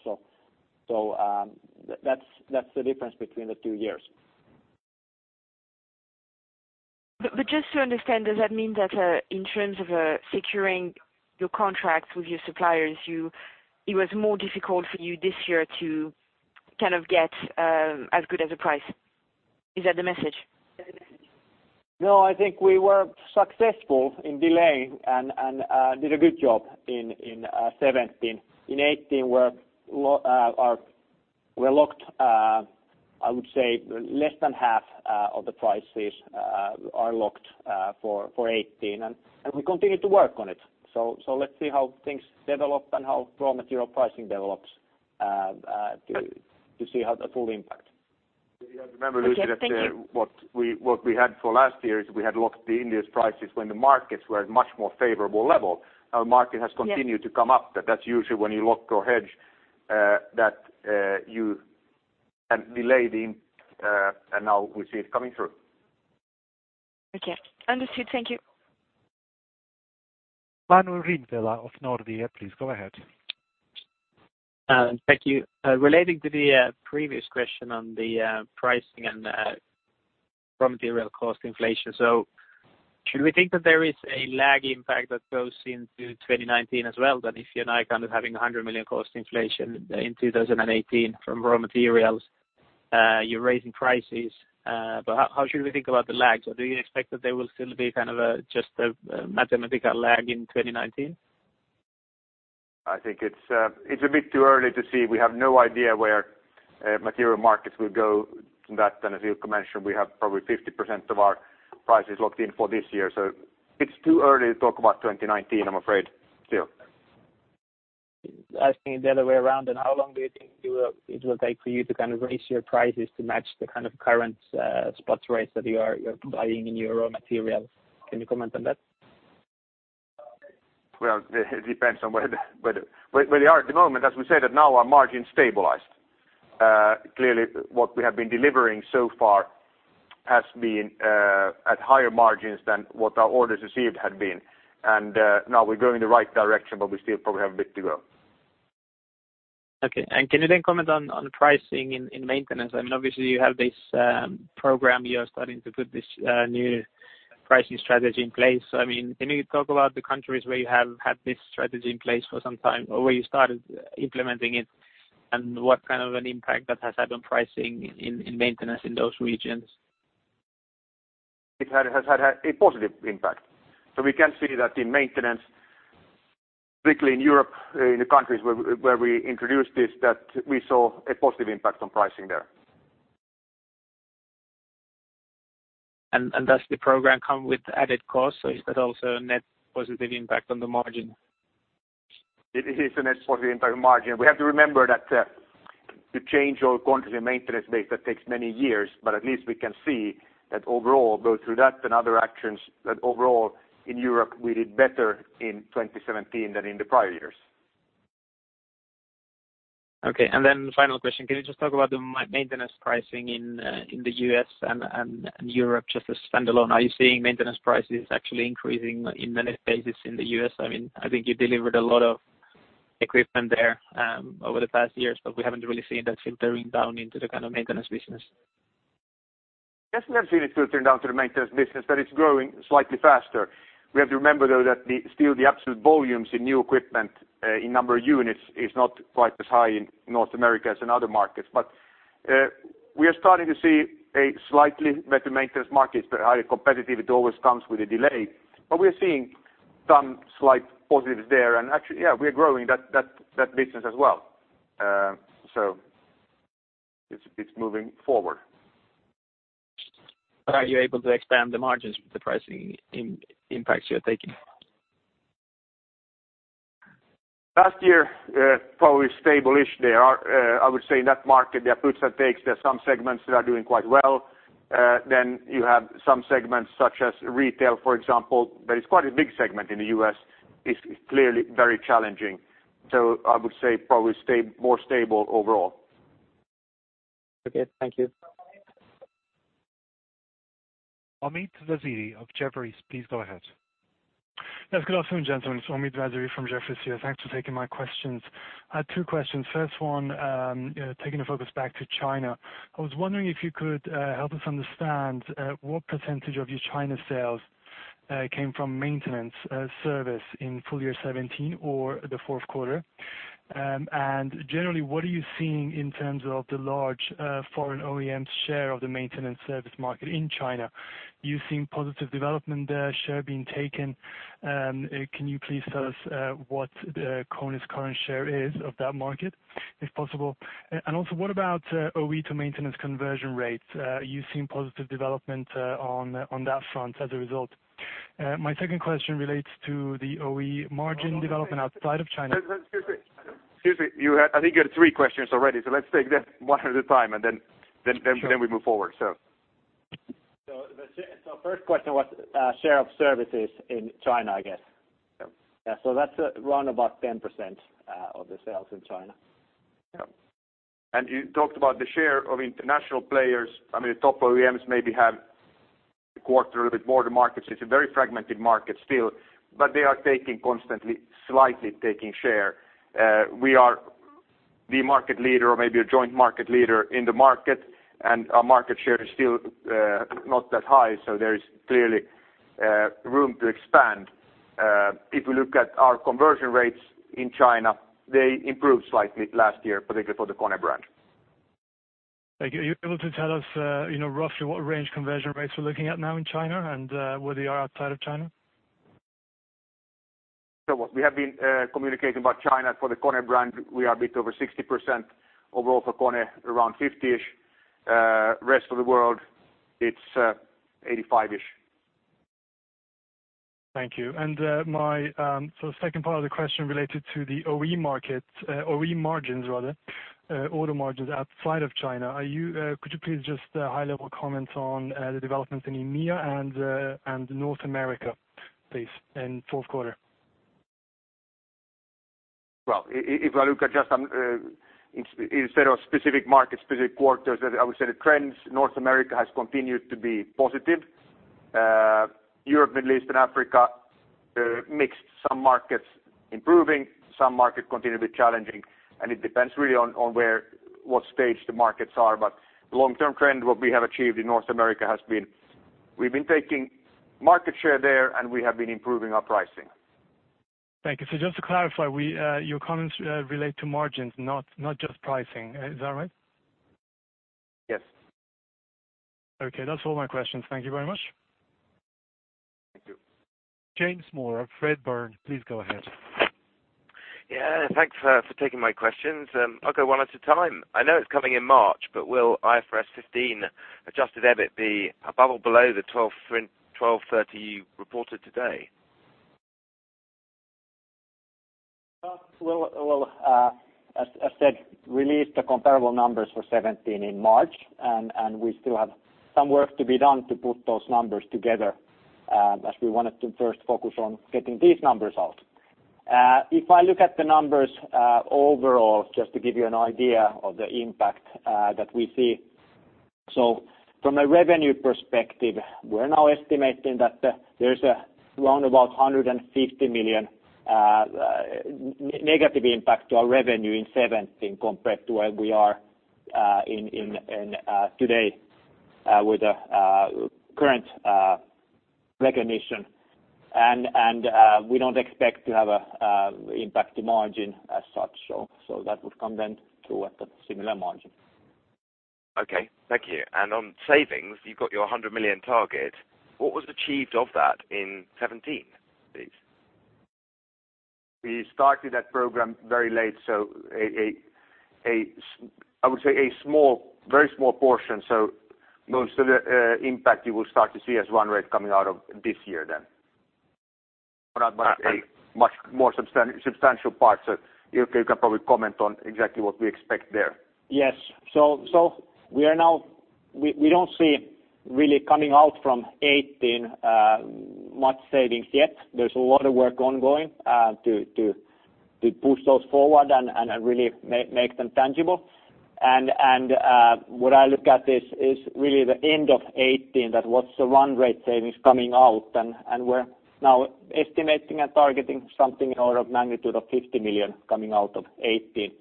That's the difference between the two years. Just to understand, does that mean that in terms of securing your contracts with your suppliers, it was more difficult for you this year to get as good as a price? Is that the message? No, I think we were successful in delaying and did a good job in 2017. In 2018, I would say less than half of the prices are locked for 2018, and we continue to work on it. Let's see how things develop and how raw material pricing develops to see how the full impact. You have to remember, Lucie. Thank you. what we had for last year is we had locked the India's prices when the markets were at a much more favorable level. Our market has continued. Yes to come up, that's usually when you lock or hedge, that you can delay. Now we see it coming through. Okay. Understood. Thank you. Manuel Ringvella of Nordea, please go ahead. Thank you. Relating to the previous question on the pricing and raw material cost inflation. Should we think that there is a lag impact that goes into 2019 as well, that if you're now having 100 million cost inflation in 2018 from raw materials, you're raising prices. How should we think about the lags, or do you expect that they will still be just a mathematical lag in 2019? I think it's a bit too early to see. We have no idea where material markets will go that, and as Ilkka mentioned, we have probably 50% of our prices locked in for this year. It's too early to talk about 2019, I'm afraid still. Asking it the other way around then, how long do you think it will take for you to raise your prices to match the kind of current spot rates that you are buying in your raw materials? Can you comment on that? Well, it depends on where they are at the moment. As we said that now our margin stabilized. Clearly, what we have been delivering so far has been at higher margins than what our orders received had been. Now we're going in the right direction, but we still probably have a bit to go. Can you then comment on pricing in maintenance? Obviously, you have this program, you are starting to put this new pricing strategy in place. Can you talk about the countries where you have had this strategy in place for some time or where you started implementing it and what kind of an impact that has had on pricing in maintenance in those regions? It has had a positive impact. We can see that in maintenance, particularly in Europe, in the countries where we introduced this, that we saw a positive impact on pricing there. Does the program come with added costs, or is that also a net positive impact on the margin? It is a net positive impact on margin. We have to remember that to change our country maintenance base, that takes many years. At least we can see that overall, both through that and other actions, that overall in Europe, we did better in 2017 than in the prior years. Final question, can you just talk about the maintenance pricing in the U.S. and Europe just as standalone. Are you seeing maintenance prices actually increasing in many places in the U.S.? I think you delivered a lot of equipment there over the past years, but we haven't really seen that filtering down into the maintenance business? Yes, we have seen it filtering down to the maintenance business, but it's growing slightly faster. We have to remember, though, that still the absolute volumes in new equipment, in number of units, is not quite as high in North America as in other markets. We are starting to see a slightly better maintenance market, highly competitive. It always comes with a delay, but we're seeing some slight positives there. Actually, we're growing that business as well. It's moving forward. Are you able to expand the margins with the pricing impacts you're taking? Last year, probably stable-ish there. I would say in that market, there are gives and takes. There are some segments that are doing quite well. You have some segments such as retail, for example. It's quite a big segment in the U.S. It's clearly very challenging. I would say probably more stable overall. Okay. Thank you. Omid Vaziri of Jefferies, please go ahead. Yes. Good afternoon, gentlemen. It's Omid Vaziri from Jefferies here. Thanks for taking my questions. I had two questions. First one, taking the focus back to China. I was wondering if you could help us understand what % of your China sales came from maintenance service in full year 2017 or the fourth quarter. Generally, what are you seeing in terms of the large foreign OEM's share of the maintenance service market in China? You're seeing positive development there, share being taken. Can you please tell us what KONE's current share is of that market, if possible? Also, what about OE to maintenance conversion rates? Are you seeing positive development on that front as a result? My second question relates to the OE margin development outside of China. Excuse me. I think you had three questions already. Let's take them one at a time, and then we move forward. First question was share of services in China, I guess. Yeah. Yeah. That's around about 10% of the sales in China. Yeah. You talked about the share of international players. The top OEMs maybe have quarter a little bit more. The market is a very fragmented market still, but they are constantly slightly taking share. We are the market leader or maybe a joint market leader in the market, and our market share is still not that high, so there is clearly room to expand. If we look at our conversion rates in China, they improved slightly last year, particularly for the KONE brand. Thank you. Are you able to tell us roughly what range conversion rates we're looking at now in China and where they are outside of China? What we have been communicating about China for the KONE brand, we are a bit over 60% overall for KONE, around 50-ish. Rest of the world, it's 85-ish. Thank you. Second part of the question related to the OE market, OE margins rather, OE margins outside of China. Could you please just high-level comment on the developments in EMEA and North America, please, in fourth quarter? Well, if I look at just instead of specific markets, specific quarters, I would say the trends, North America has continued to be positive. Europe, Middle East, and Africa, mixed. Some markets improving, some markets continue to be challenging, and it depends really on what stage the markets are. The long-term trend, what we have achieved in North America has been we've been taking market share there, and we have been improving our pricing. Thank you. Just to clarify, your comments relate to margins, not just pricing. Is that right? Yes. Okay. That's all my questions. Thank you very much. Thank you. James Moore of Redburn, please go ahead. Yeah. Thanks for taking my questions. I'll go one at a time. I know it's coming in March, will IFRS 15 adjusted EBIT be above or below the 1,230 you reported today? As said, release the comparable numbers for 2017 in March. We still have some work to be done to put those numbers together, as we wanted to first focus on getting these numbers out. If I look at the numbers overall, just to give you an idea of the impact that we see. From a revenue perspective, we're now estimating that there's around about 150 million negative impact to our revenue in 2017 compared to where we are today with the current recognition. We don't expect to have an impact to margin as such, that would come then to a similar margin. Okay. Thank you. On savings, you've got your 100 million target. What was achieved of that in 2017, please? We started that program very late, I would say a very small portion. Most of the impact you will start to see as run rate coming out of this year then. A much more substantial part. Jukka can probably comment on exactly what we expect there. Yes. We don't see really coming out from 2018 much savings yet. There's a lot of work ongoing to push those forward and really make them tangible. What I look at this is really the end of 2018, that what's the run rate savings coming out. We're now estimating and targeting something in order of magnitude of 50 million coming out of 2018.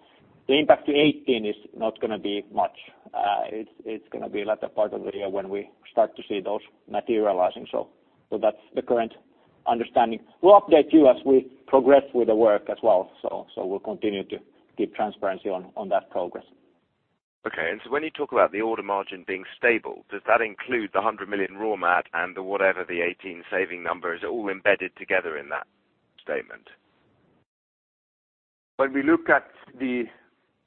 The impact to 2018 is not going to be much. It's going to be latter part of the year when we start to see those materializing. That's the current understanding. We'll update you as we progress with the work as well. We'll continue to keep transparency on that progress. Okay. When you talk about the order margin being stable, does that include the 100 million raw material and the whatever the 2018 saving number is all embedded together in that statement? When we look at the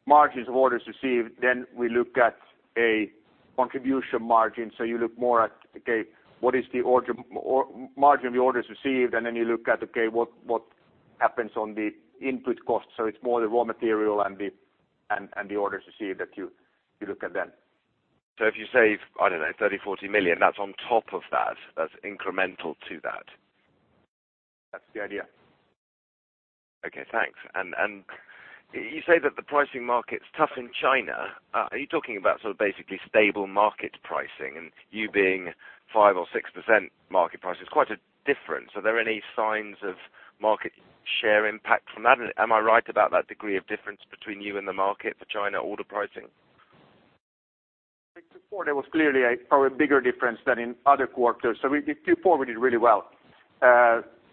margins of orders received, we look at a contribution margin. You look more at, okay, what is the margin of the orders received? You look at, okay, what happens on the input cost? It's more the raw material and the orders received that you look at then. If you save, I don't know, 30 million-40 million, that's on top of that's incremental to that? That's the idea. Okay, thanks. You say that the pricing market's tough in China. Are you talking about sort of basically stable market pricing and you being 5%-6% market price is quite a difference. Am I right about that degree of difference between you and the market for China order pricing? I think Q4, there was clearly a probably bigger difference than in other quarters. We Q4 did really well.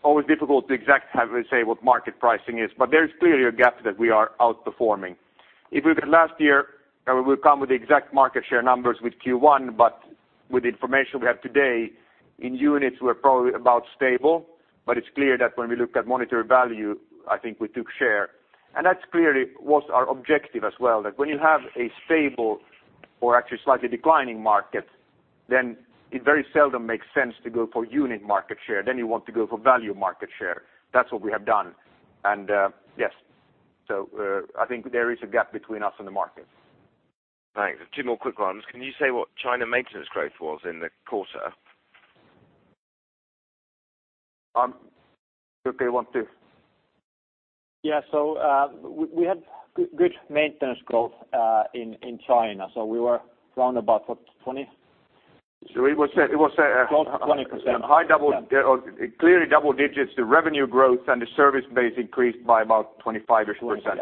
Always difficult to exactly say what market pricing is, but there's clearly a gap that we are outperforming. If we look at last year, we'll come with the exact market share numbers with Q1, but with the information we have today, in units, we're probably about stable. It's clear that when we look at monetary value, I think we took share. That's clearly was our objective as well, that when you have a stable or actually slightly declining market, then it very seldom makes sense to go for unit market share. You want to go for value market share. That's what we have done. Yes. I think there is a gap between us and the market. Thanks. Two more quick ones. Can you say what China maintenance growth was in the quarter? Jukka, you want to? Yeah. We had good maintenance growth in China. We were around about. (inaudible) So it was- 12%, 20%. high double or clearly double digits. The revenue growth and the service base increased by about 25-ish%. 25.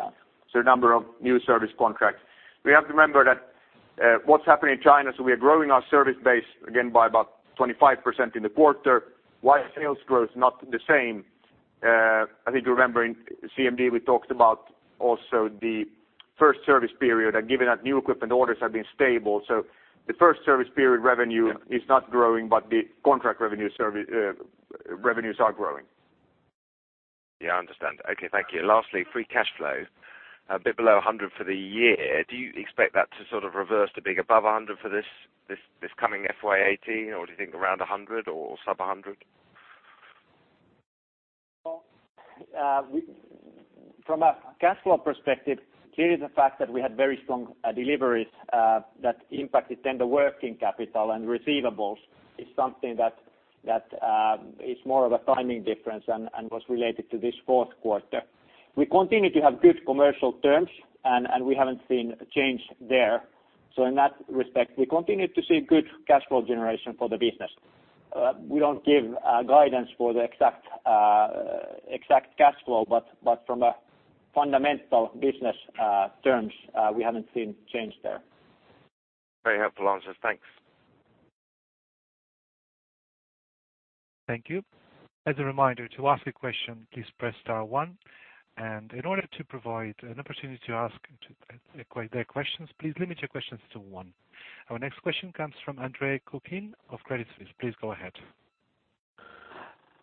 A number of new service contracts. We have to remember that what's happening in China. We are growing our service base again by about 25% in the quarter, while sales growth is not the same. I think you remember in CMD, we talked about also the first service period given that new equipment orders have been stable. The first service period revenue is not growing, but the contract revenues are growing. Yeah, I understand. Okay, thank you. Lastly, free cash flow, a bit below 100 for the year. Do you expect that to sort of reverse to being above 100 for this coming FY 2018, or do you think around 100 or sub-EUR 100? Well, from a cash flow perspective, clearly the fact that we had very strong deliveries that impacted the working capital and receivables is something that is more of a timing difference was related to this fourth quarter. We continue to have good commercial terms. We haven't seen a change there. In that respect, we continue to see good cash flow generation for the business. We don't give guidance for the exact cash flow. From a fundamental business terms, we haven't seen change there. Very helpful answers. Thanks. Thank you. As a reminder, to ask a question, please press star one. In order to provide an opportunity to ask and take their questions, please limit your questions to one. Our next question comes from Andre Kukhnin of Credit Suisse. Please go ahead.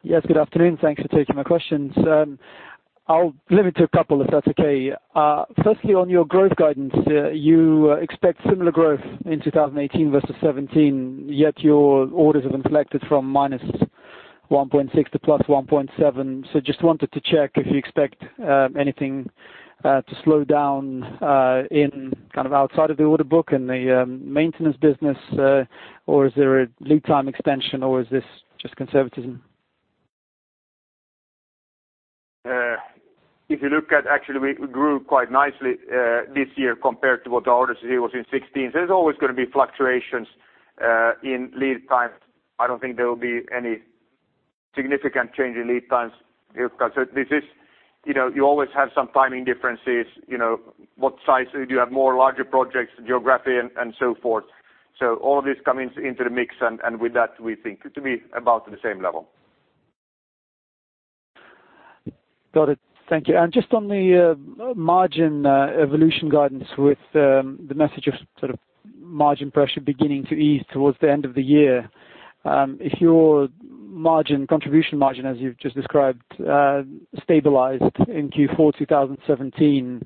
Yes, good afternoon. Thanks for taking my questions. I'll limit to a couple, if that's okay. Firstly, on your growth guidance, you expect similar growth in 2018 versus 2017, yet your orders have been collected from -1.6% to +1.7%. Just wanted to check if you expect anything to slow down in kind of outside of the order book in the maintenance business, or is there a lead time extension, or is this just conservatism? If you look at actually, we grew quite nicely this year compared to what the orders was in 2016. There's always going to be fluctuations in lead times. I don't think there will be any significant change in lead times. You always have some timing differences, what size, do you have more larger projects, geography, and so forth. All of these come into the mix, and with that, we think it to be about the same level. Got it. Thank you. Just on the margin evolution guidance with the message of sort of margin pressure beginning to ease towards the end of the year. If your contribution margin, as you've just described, stabilized in Q4 2017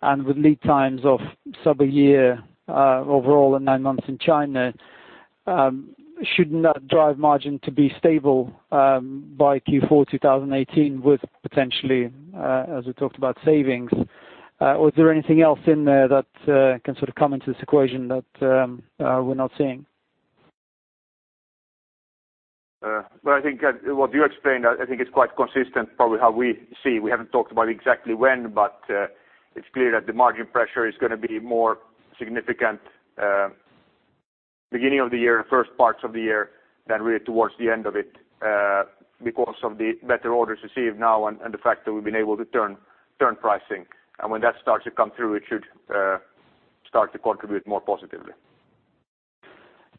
and with lead times of sub a year overall and nine months in China, shouldn't that drive margin to be stable by Q4 2018 with potentially, as we talked about, savings? Is there anything else in there that can sort of come into this equation that we're not seeing? Well, I think what you explained, it's quite consistent probably how we see. It's clear that the margin pressure is going to be more significant beginning of the year, first parts of the year than really towards the end of it because of the better orders received now and the fact that we've been able to turn pricing. When that starts to come through, it should start to contribute more positively.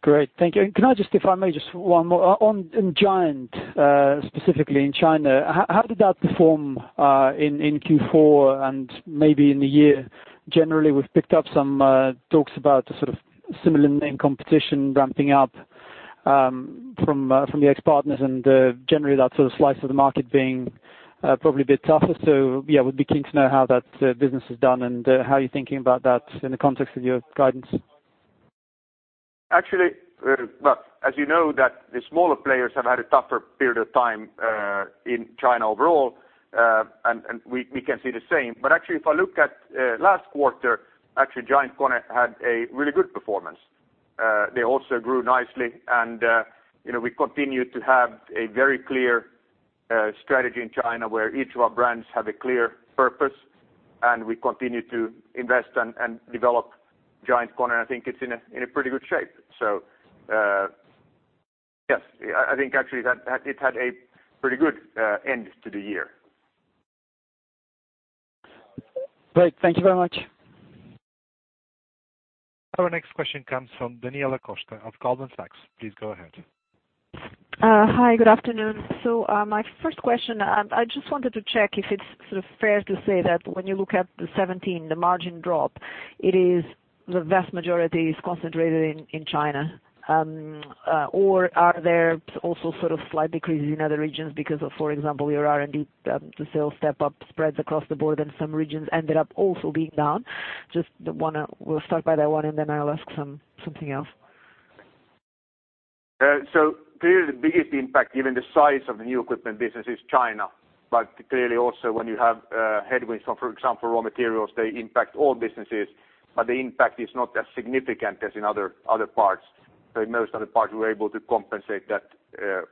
Great. Thank you. Can I just, if I may, just one more. On GiantKONE, specifically in China, how did that perform in Q4 and maybe in the year? Generally, we've picked up some talks about the sort of similar name competition ramping up from the ex-partners and generally that sort of slice of the market being probably a bit tougher. Would be keen to know how that business has done and how you're thinking about that in the context of your guidance. Actually, well, as you know that the smaller players have had a tougher period of time in China overall, and we can see the same. Actually, if I look at last quarter, actually GiantKONE had a really good performance. They also grew nicely and we continue to have a very clear strategy in China where each of our brands have a clear purpose and we continue to invest and develop GiantKONE, and I think it's in a pretty good shape. I think actually it had a pretty good end to the year. Great. Thank you very much. Our next question comes from Daniela Costa of Goldman Sachs. Please go ahead. Hi, good afternoon. My first question, I just wanted to check if it's sort of fair to say that when you look at the 2017, the margin drop, it is the vast majority is concentrated in China. Are there also sort of slight decreases in other regions because of, for example, your R&D, the sales step-up spreads across the board and some regions ended up also being down? Just we'll start by that one, and then I'll ask something else. Clearly the biggest impact, given the size of the new equipment business, is China. Clearly also when you have headwinds from, for example, raw materials, they impact all businesses, but the impact is not as significant as in other parts. In most other parts, we're able to compensate that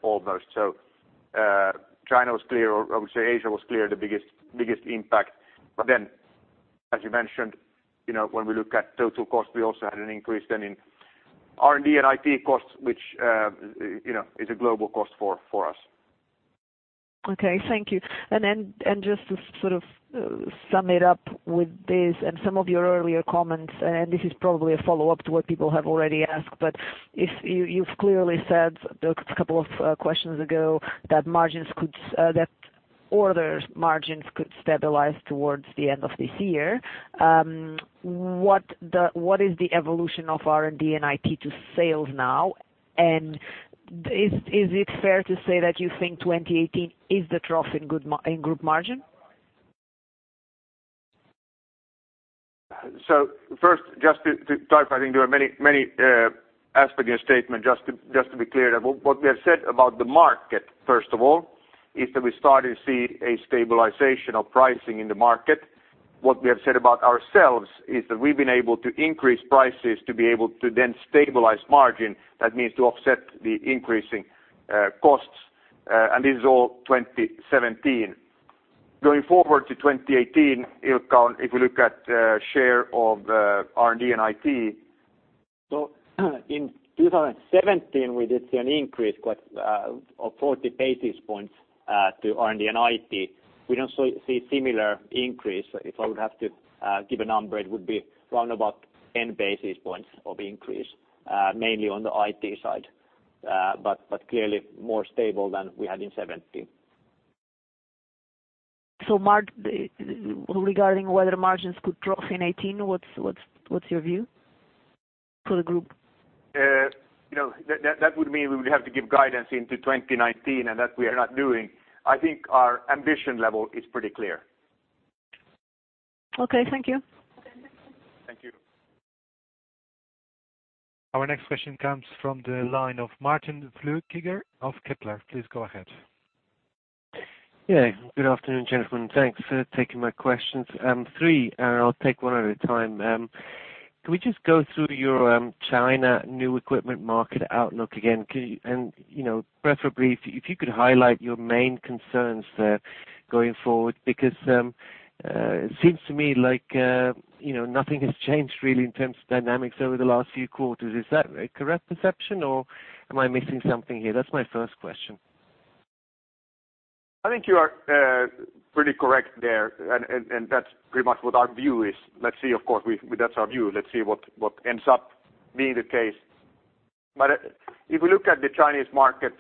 almost. China was clearly, or I would say Asia was clearly the biggest impact. As you mentioned, when we look at total cost, we also had an increase then in R&D and IT costs, which is a global cost for us. Okay, thank you. Just to sort of sum it up with this and some of your earlier comments, this is probably a follow-up to what people have already asked, you've clearly said a couple of questions ago that orders margins could stabilize towards the end of this year. What is the evolution of R&D and IT to sales now? Is it fair to say that you think 2018 is the trough in group margin? First, just to clarify, I think there were many aspects in your statement. To be clear, what we have said about the market, first of all, is that we're starting to see a stabilization of pricing in the market. What we have said about ourselves is that we've been able to increase prices to be able to then stabilize margin. That means to offset the increasing costs. This is all 2017. Going forward to 2018, if you look at share of R&D and IT- In 2017, we did see an increase of 40 basis points to R&D and IT. We don't see similar increase. If I would have to give a number, it would be around about 10 basis points of increase, mainly on the IT side. Clearly more stable than we had in 2017. Regarding whether margins could drop in 2018, what's your view for the group? That would mean we would have to give guidance into 2019. That we are not doing. I think our ambition level is pretty clear. Okay, thank you. Thank you. Our next question comes from the line of Martin Flueckiger of Kepler. Please go ahead. Yeah. Good afternoon, gentlemen. Thanks for taking my questions. 3. I'll take 1 at a time. Can we just go through your China new equipment market outlook again, preferably, if you could highlight your main concerns there going forward, because it seems to me like nothing has changed really in terms of dynamics over the last few quarters. Is that a correct perception, or am I missing something here? That's my 1st question. I think you are pretty correct there, and that's pretty much what our view is. That's our view. Let's see what ends up being the case. If we look at the Chinese market,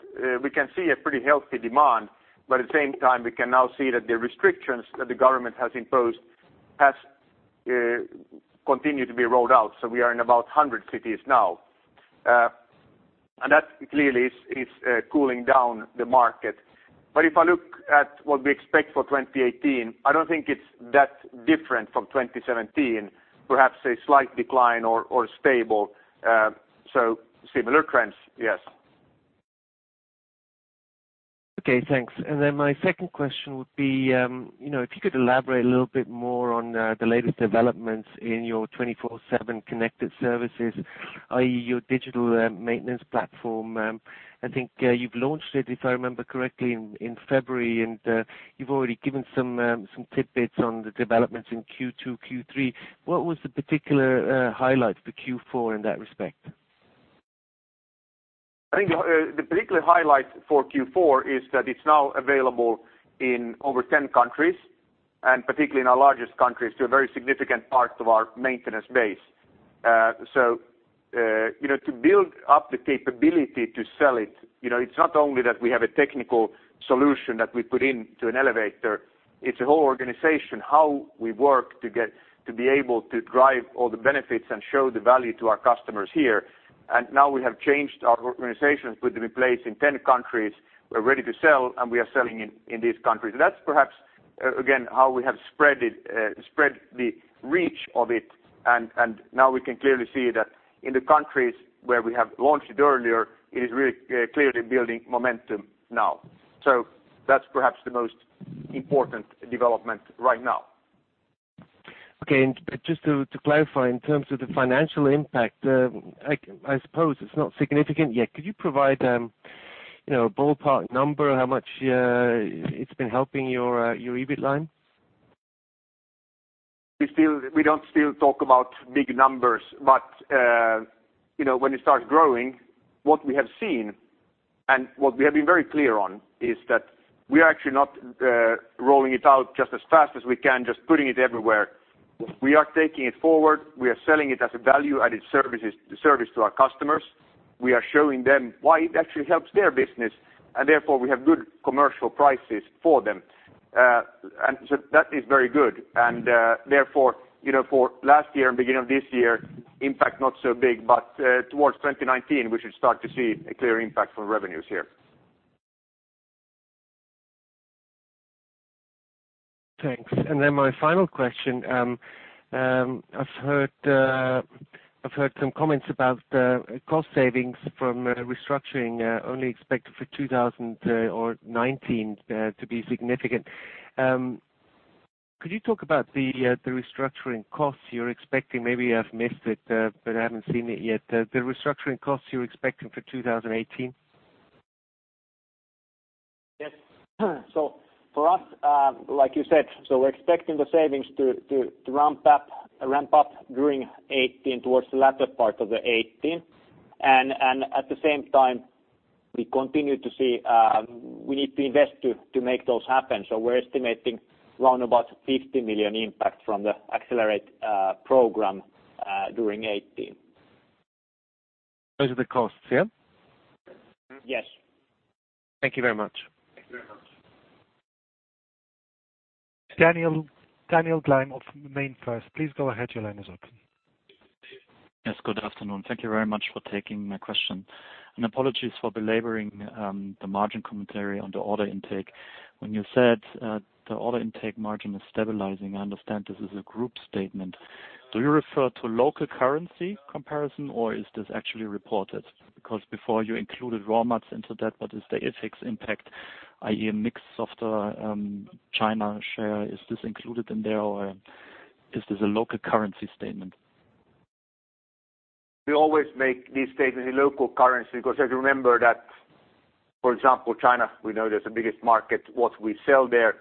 we can see a pretty healthy demand. At the same time, we can now see that the restrictions that the government has imposed has continued to be rolled out. We are in about 100 cities now. That clearly is cooling down the market. If I look at what we expect for 2018, I don't think it's that different from 2017. Perhaps a slight decline or stable. Similar trends, yes. Okay, thanks. My second question would be, if you could elaborate a little bit more on the latest developments in your KONE 24/7 Connected Services, i.e., your digital maintenance platform. I think you've launched it, if I remember correctly, in February, and you've already given some tidbits on the developments in Q2, Q3. What was the particular highlight for Q4 in that respect? I think the particular highlight for Q4 is that it's now available in over 10 countries, and particularly in our largest countries, to a very significant part of our maintenance base. To build up the capability to sell it's not only that we have a technical solution that we put into an elevator, it's a whole organization, how we work to be able to drive all the benefits and show the value to our customers here. Now we have changed our organization, put them in place in 10 countries. We're ready to sell, and we are selling in these countries. That's perhaps, again, how we have spread the reach of it, and now we can clearly see that in the countries where we have launched earlier, it is really clearly building momentum now. That's perhaps the most important development right now. Okay. Just to clarify, in terms of the financial impact, I suppose it's not significant yet. Could you provide a ballpark number, how much it's been helping your EBIT line? We don't still talk about big numbers, but when it starts growing, what we have seen and what we have been very clear on is that we are actually not rolling it out just as fast as we can, just putting it everywhere. We are taking it forward. We are selling it as a value-added service to our customers. Therefore we have good commercial prices for them. That is very good. Therefore, for last year and beginning of this year, impact not so big, but towards 2019, we should start to see a clear impact for revenues here. Thanks. My final question. I've heard some comments about the cost savings from restructuring only expected for 2019 to be significant. Could you talk about the restructuring costs you're expecting? Maybe I've missed it, but I haven't seen it yet. The restructuring costs you're expecting for 2018? Yes. For us, like you said, we're expecting the savings to ramp up during 2018 towards the latter part of 2018. At the same time, we continue to see we need to invest to make those happen. We're estimating around about 50 million impact from the Accelerate program during 2018. Those are the costs, yeah? Yes. Thank you very much. Thank you very much. Daniel Gleim of MainFirst, please go ahead. Your line is open. Good afternoon. Thank you very much for taking my question. Apologies for belaboring the margin commentary on the order intake. When you said the order intake margin is stabilizing, I understand this is a group statement. Do you refer to local currency comparison, or is this actually reported? Before you included raw mats into that, what is the FX impact, i.e. mix of the China share, is this included in there, or is this a local currency statement? We always make these statements in local currency because if you remember that, for example, China, we know that's the biggest market. What we sell there,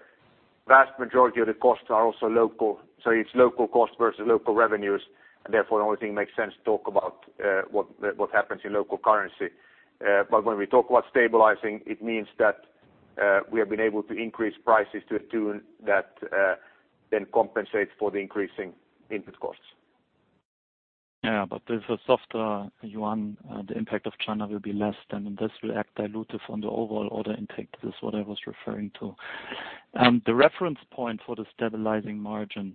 vast majority of the costs are also local. It's local cost versus local revenues. The only thing makes sense to talk about what happens in local currency. When we talk about stabilizing, it means that we have been able to increase prices to a tune that then compensates for the increasing input costs. Yeah. With the softer yuan, the impact of China will be less then. This will act dilutive on the overall order intake. This is what I was referring to. The reference point for the stabilizing margin.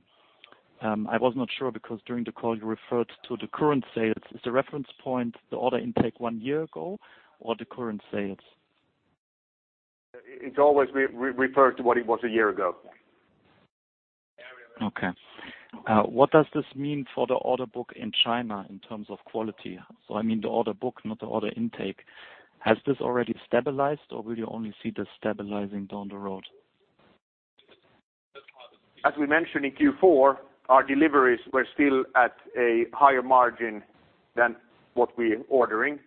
I was not sure because during the call, you referred to the current sales. Is the reference point the order intake one year ago, or the current sales? It's always we refer to what it was a year ago. Okay. What does this mean for the order book in China in terms of quality? I mean the order book, not the order intake. Has this already stabilized, or will you only see this stabilizing down the road? As we mentioned in Q4, our deliveries were still at a higher margin than what we're ordering.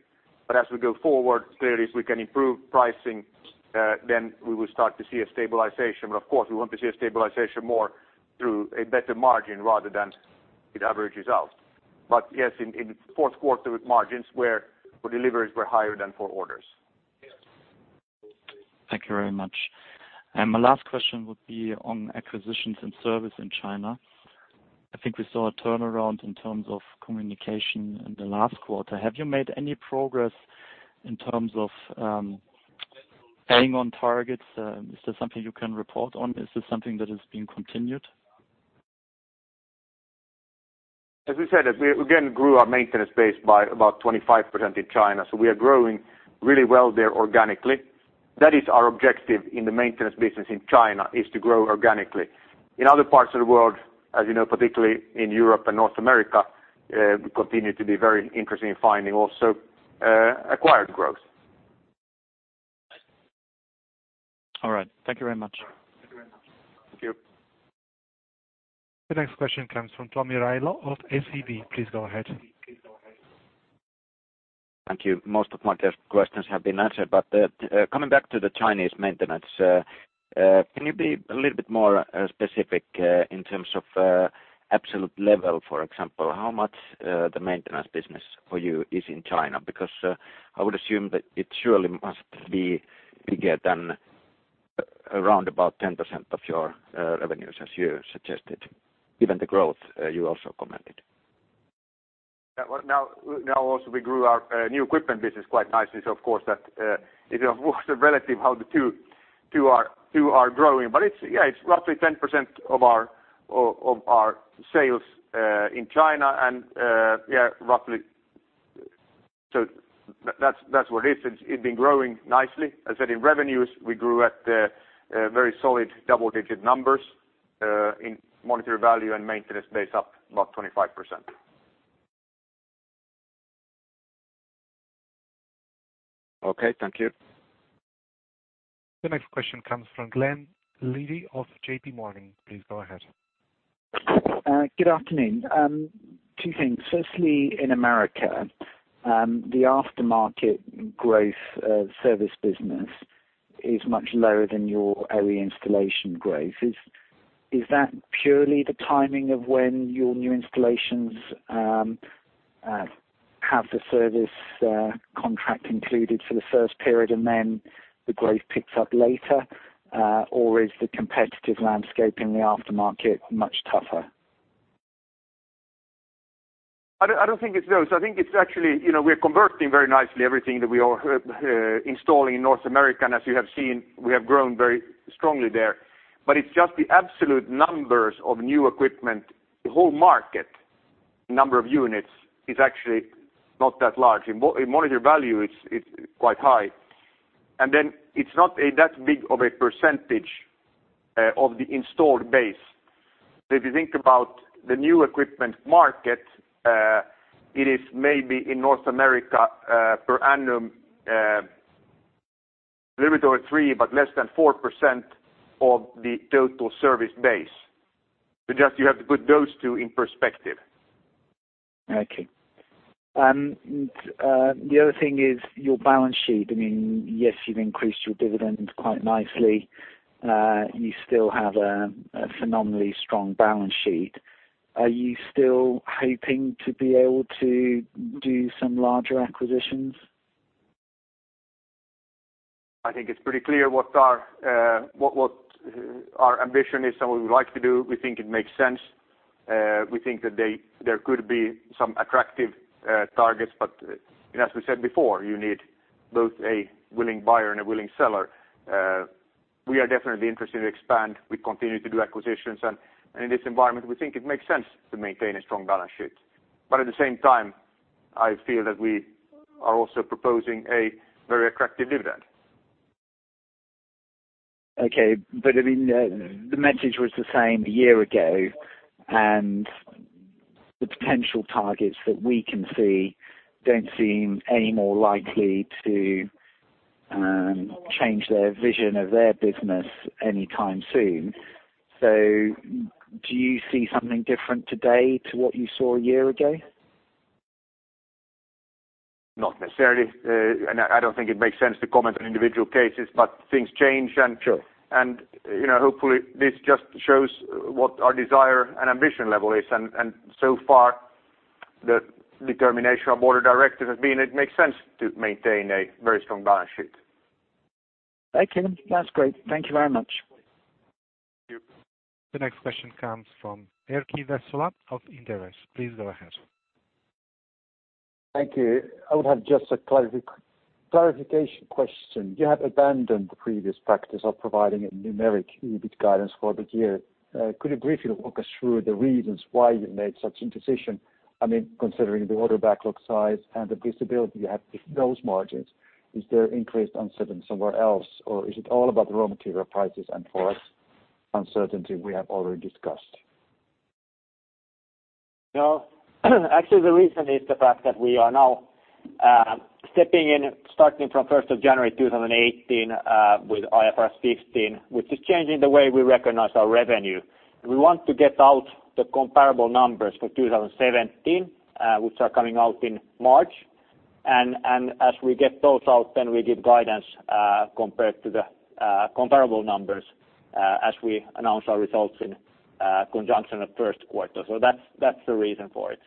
As we go forward, clearly, if we can improve pricing, we will start to see a stabilization. Of course, we want to see a stabilization more through a better margin rather than it averages out. Yes, in fourth quarter margins where deliveries were higher than for orders. Thank you very much. My last question would be on acquisitions and service in China. I think we saw a turnaround in terms of communication in the last quarter. Have you made any progress in terms of staying on targets? Is this something you can report on? Is this something that is being continued? As we said, we again grew our maintenance base by about 25% in China. We are growing really well there organically. That is our objective in the maintenance business in China, is to grow organically. In other parts of the world, as you know, particularly in Europe and North America, we continue to be very interested in finding also acquired growth. All right. Thank you very much. Thank you. The next question comes from Tomi Railo of SEB. Please go ahead. Thank you. Most of my test questions have been answered. Coming back to the Chinese maintenance, can you be a little bit more specific in terms of absolute level, for example, how much the maintenance business for you is in China? Because I would assume that it surely must be bigger than around about 10% of your revenues as you suggested, given the growth you also commented. Also we grew our new equipment business quite nicely. Of course that it was a relative how the two are growing. It's roughly 10% of our sales in China. That's where it is. It's been growing nicely. As said in revenues, we grew at very solid double-digit numbers in monetary value and maintenance base up about 25%. Okay. Thank you. The next question comes from Glenn Levy of JP Morgan. Please go ahead. Good afternoon. Two things. In America the aftermarket growth service business is much lower than your area installation growth. Is that purely the timing of when your new installations have the service contract included for the first period and then the growth picks up later? Or is the competitive landscape in the aftermarket much tougher? I don't think it's those. I think it's actually we're converting very nicely everything that we are installing in North America. As you have seen, we have grown very strongly there. It's just the absolute numbers of new equipment. The whole market number of units is actually not that large. In monetary value, it's quite high. Then it's not that big of a percentage of the installed base. If you think about the new equipment market it is maybe in North America per annum little bit over 3, but less than 4% of the total service base. Just you have to put those two in perspective. Okay. The other thing is your balance sheet. Yes, you've increased your dividends quite nicely. You still have a phenomenally strong balance sheet. Are you still hoping to be able to do some larger acquisitions? I think it's pretty clear what our ambition is and what we would like to do. We think it makes sense. We think that there could be some attractive targets. As we said before, you need both a willing buyer and a willing seller. We are definitely interested to expand. We continue to do acquisitions, and in this environment, we think it makes sense to maintain a strong balance sheet. At the same time, I feel that we are also proposing a very attractive dividend. Okay. The message was the same a year ago, and the potential targets that we can see don't seem any more likely to change their vision of their business anytime soon. Do you see something different today to what you saw a year ago? Not necessarily. I don't think it makes sense to comment on individual cases, things change. Sure. Hopefully, this just shows what our desire and ambition level is. So far, the determination of board of directors has been it makes sense to maintain a very strong balance sheet. Thank you. That's great. Thank you very much. Thank you. The next question comes from Erkki Vesola of Inderes. Please go ahead. Thank you. I would have just a clarification question. You have abandoned the previous practice of providing a numeric EBIT guidance for this year. Could you briefly walk us through the reasons why you made such a decision? Considering the order backlog size and the visibility you have with those margins, is there increased uncertainty somewhere else, or is it all about the raw material prices and foreign uncertainty we have already discussed? No. Actually, the reason is the fact that we are now stepping in, starting from 1st of January 2018, with IFRS 15, which is changing the way we recognize our revenue. We want to get out the comparable numbers for 2017, which are coming out in March. As we get those out, then we give guidance, compared to the comparable numbers, as we announce our results in conjunction with first quarter. That's the reason for it.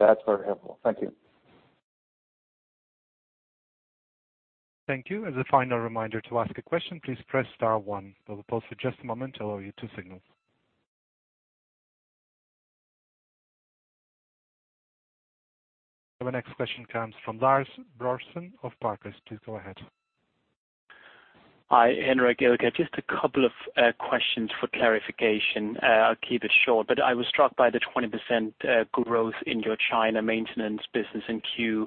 That's very helpful. Thank you. Thank you. As a final reminder to ask a question, please press star one. We will pause for just a moment to allow you to signal. The next question comes from Lars Brorson of Barclays. Please go ahead. Hi, Henrik. Just a couple of questions for clarification. I'll keep it short, but I was struck by the 20% growth in your China maintenance business in Q4.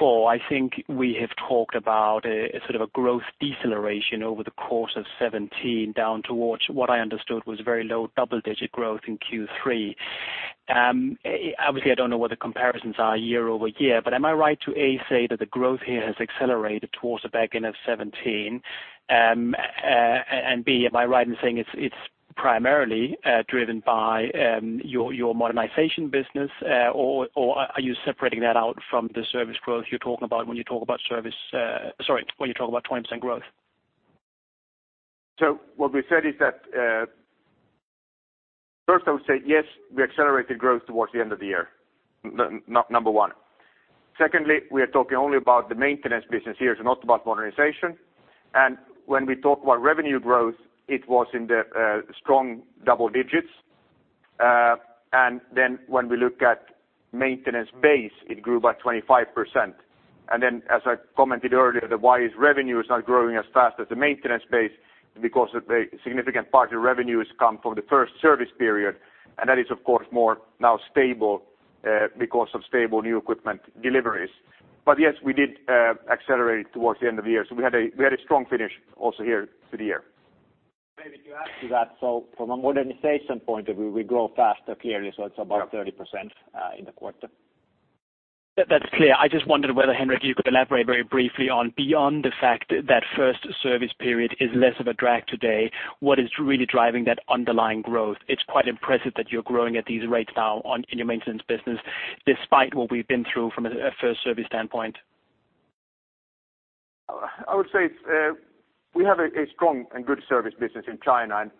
I think we have talked about a sort of a growth deceleration over the course of 2017, down towards what I understood was very low double-digit growth in Q3. Obviously, I don't know what the comparisons are year-over-year, but am I right to, A, say that the growth here has accelerated towards the back end of 2017? B, am I right in saying it's primarily driven by your modernization business? Or are you separating that out from the service growth you're talking about when you talk about 20% growth? What we said is that. First, I would say yes, we accelerated growth towards the end of the year. Number one. Secondly, we are talking only about the maintenance business here, so not about modernization. When we talk about revenue growth, it was in the strong double-digits. When we look at maintenance base, it grew by 25%. As I commented earlier, why is revenue not growing as fast as the maintenance base? Because a significant part of the revenue has come from the first service period, and that is, of course, more now stable because of stable new equipment deliveries. Yes, we did accelerate towards the end of the year. We had a strong finish also here for the year. Maybe to add to that, from a modernization point of view, we grow faster, clearly. It's about 30% in the quarter. That's clear. I just wondered whether, Henrik, you could elaborate very briefly on beyond the fact that first service period is less of a drag today. What is really driving that underlying growth? It's quite impressive that you're growing at these rates now in your maintenance business, despite what we've been through from a first service standpoint. I would say we have a strong and good service business in China.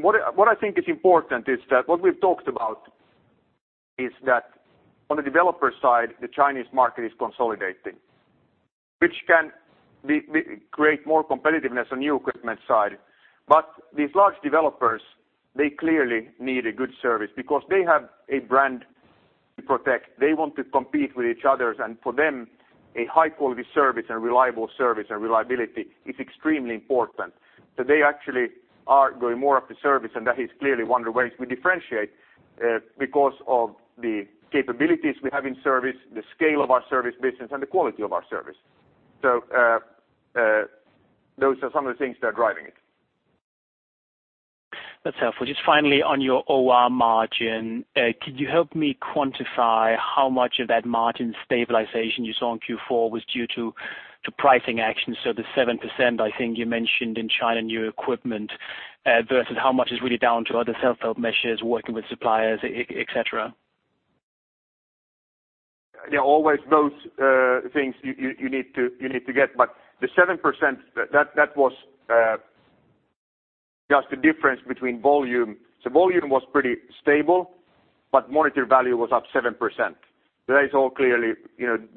What I think is important is that what we've talked about is that on the developer side, the Chinese market is consolidating, which can create more competitiveness on new equipment side. These large developers, they clearly need a good service because they have a brand to protect. They want to compete with each other. For them, a high-quality service and reliable service and reliability is extremely important. They actually are going more up the service, and that is clearly one of the ways we differentiate because of the capabilities we have in service, the scale of our service business, and the quality of our service. Those are some of the things that are driving it. That's helpful. Just finally, on your OR margin, could you help me quantify how much of that margin stabilization you saw in Q4 was due to pricing actions? The 7%, I think you mentioned in China, new equipment Versus how much is really down to other self-help measures, working with suppliers, et cetera? There are always both things you need to get. The 7%, that was just the difference between volume. Volume was pretty stable, but monetary value was up 7%. That is all clearly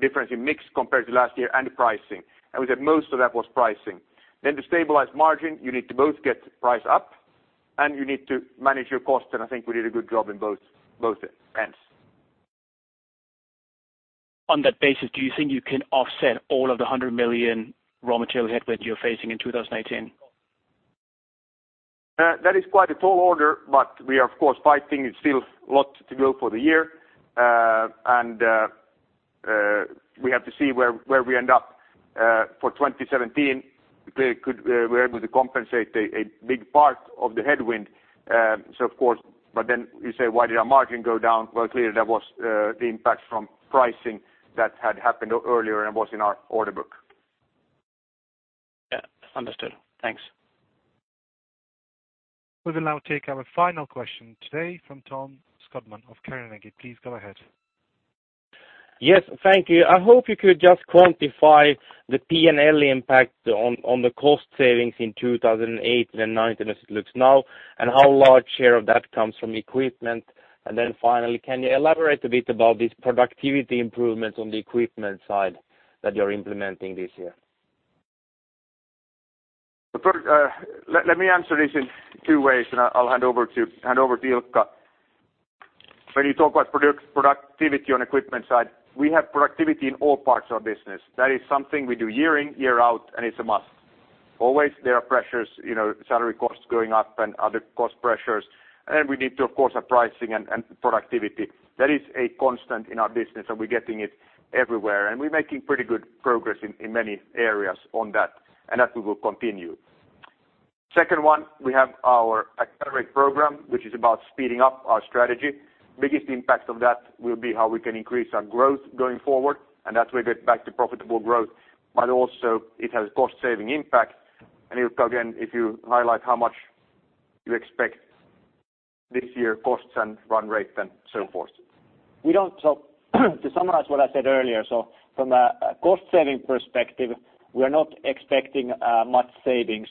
difference in mix compared to last year and the pricing, and we said most of that was pricing. To stabilize margin, you need to both get price up and you need to manage your cost, and I think we did a good job in both ends. On that basis, do you think you can offset all of the 100 million raw material headwinds you're facing in 2019? That is quite a tall order, we are of course fighting it. Still a lot to go for the year. We have to see where we end up for 2017. We were able to compensate a big part of the headwind. Of course, you say, why did our margin go down? Clearly that was the impact from pricing that had happened earlier and was in our order book. Understood. Thanks. We will now take our final question today from Tom Skogman of Carnegie. Please go ahead. Thank you. I hope you could just quantify the P&L impact on the cost savings in 2018 and 2019 as it looks now. How large share of that comes from equipment? Finally, can you elaborate a bit about this productivity improvements on the equipment side that you're implementing this year? Let me answer this in two ways, then I'll hand over to Ilkka. When you talk about productivity on equipment side, we have productivity in all parts of our business. That is something we do year in, year out, and it's a must. Always there are pressures, salary costs going up and other cost pressures. We need to, of course, have pricing and productivity. That is a constant in our business, and we're getting it everywhere. We're making pretty good progress in many areas on that, and that we will continue. Second one, we have our Accelerate program, which is about speeding up our strategy. Biggest impact of that will be how we can increase our growth going forward, and that way get back to profitable growth. Also it has cost saving impact. Ilkka, again, if you highlight how much you expect this year costs and run rate and so forth. To summarize what I said earlier, from a cost-saving perspective, we're not expecting much savings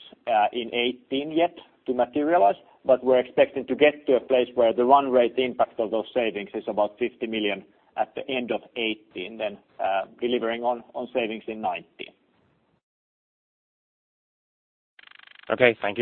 in 2018 yet to materialize, but we're expecting to get to a place where the run rate impact of those savings is about 50 million at the end of 2018. Delivering on savings in 2019. Okay, thanks.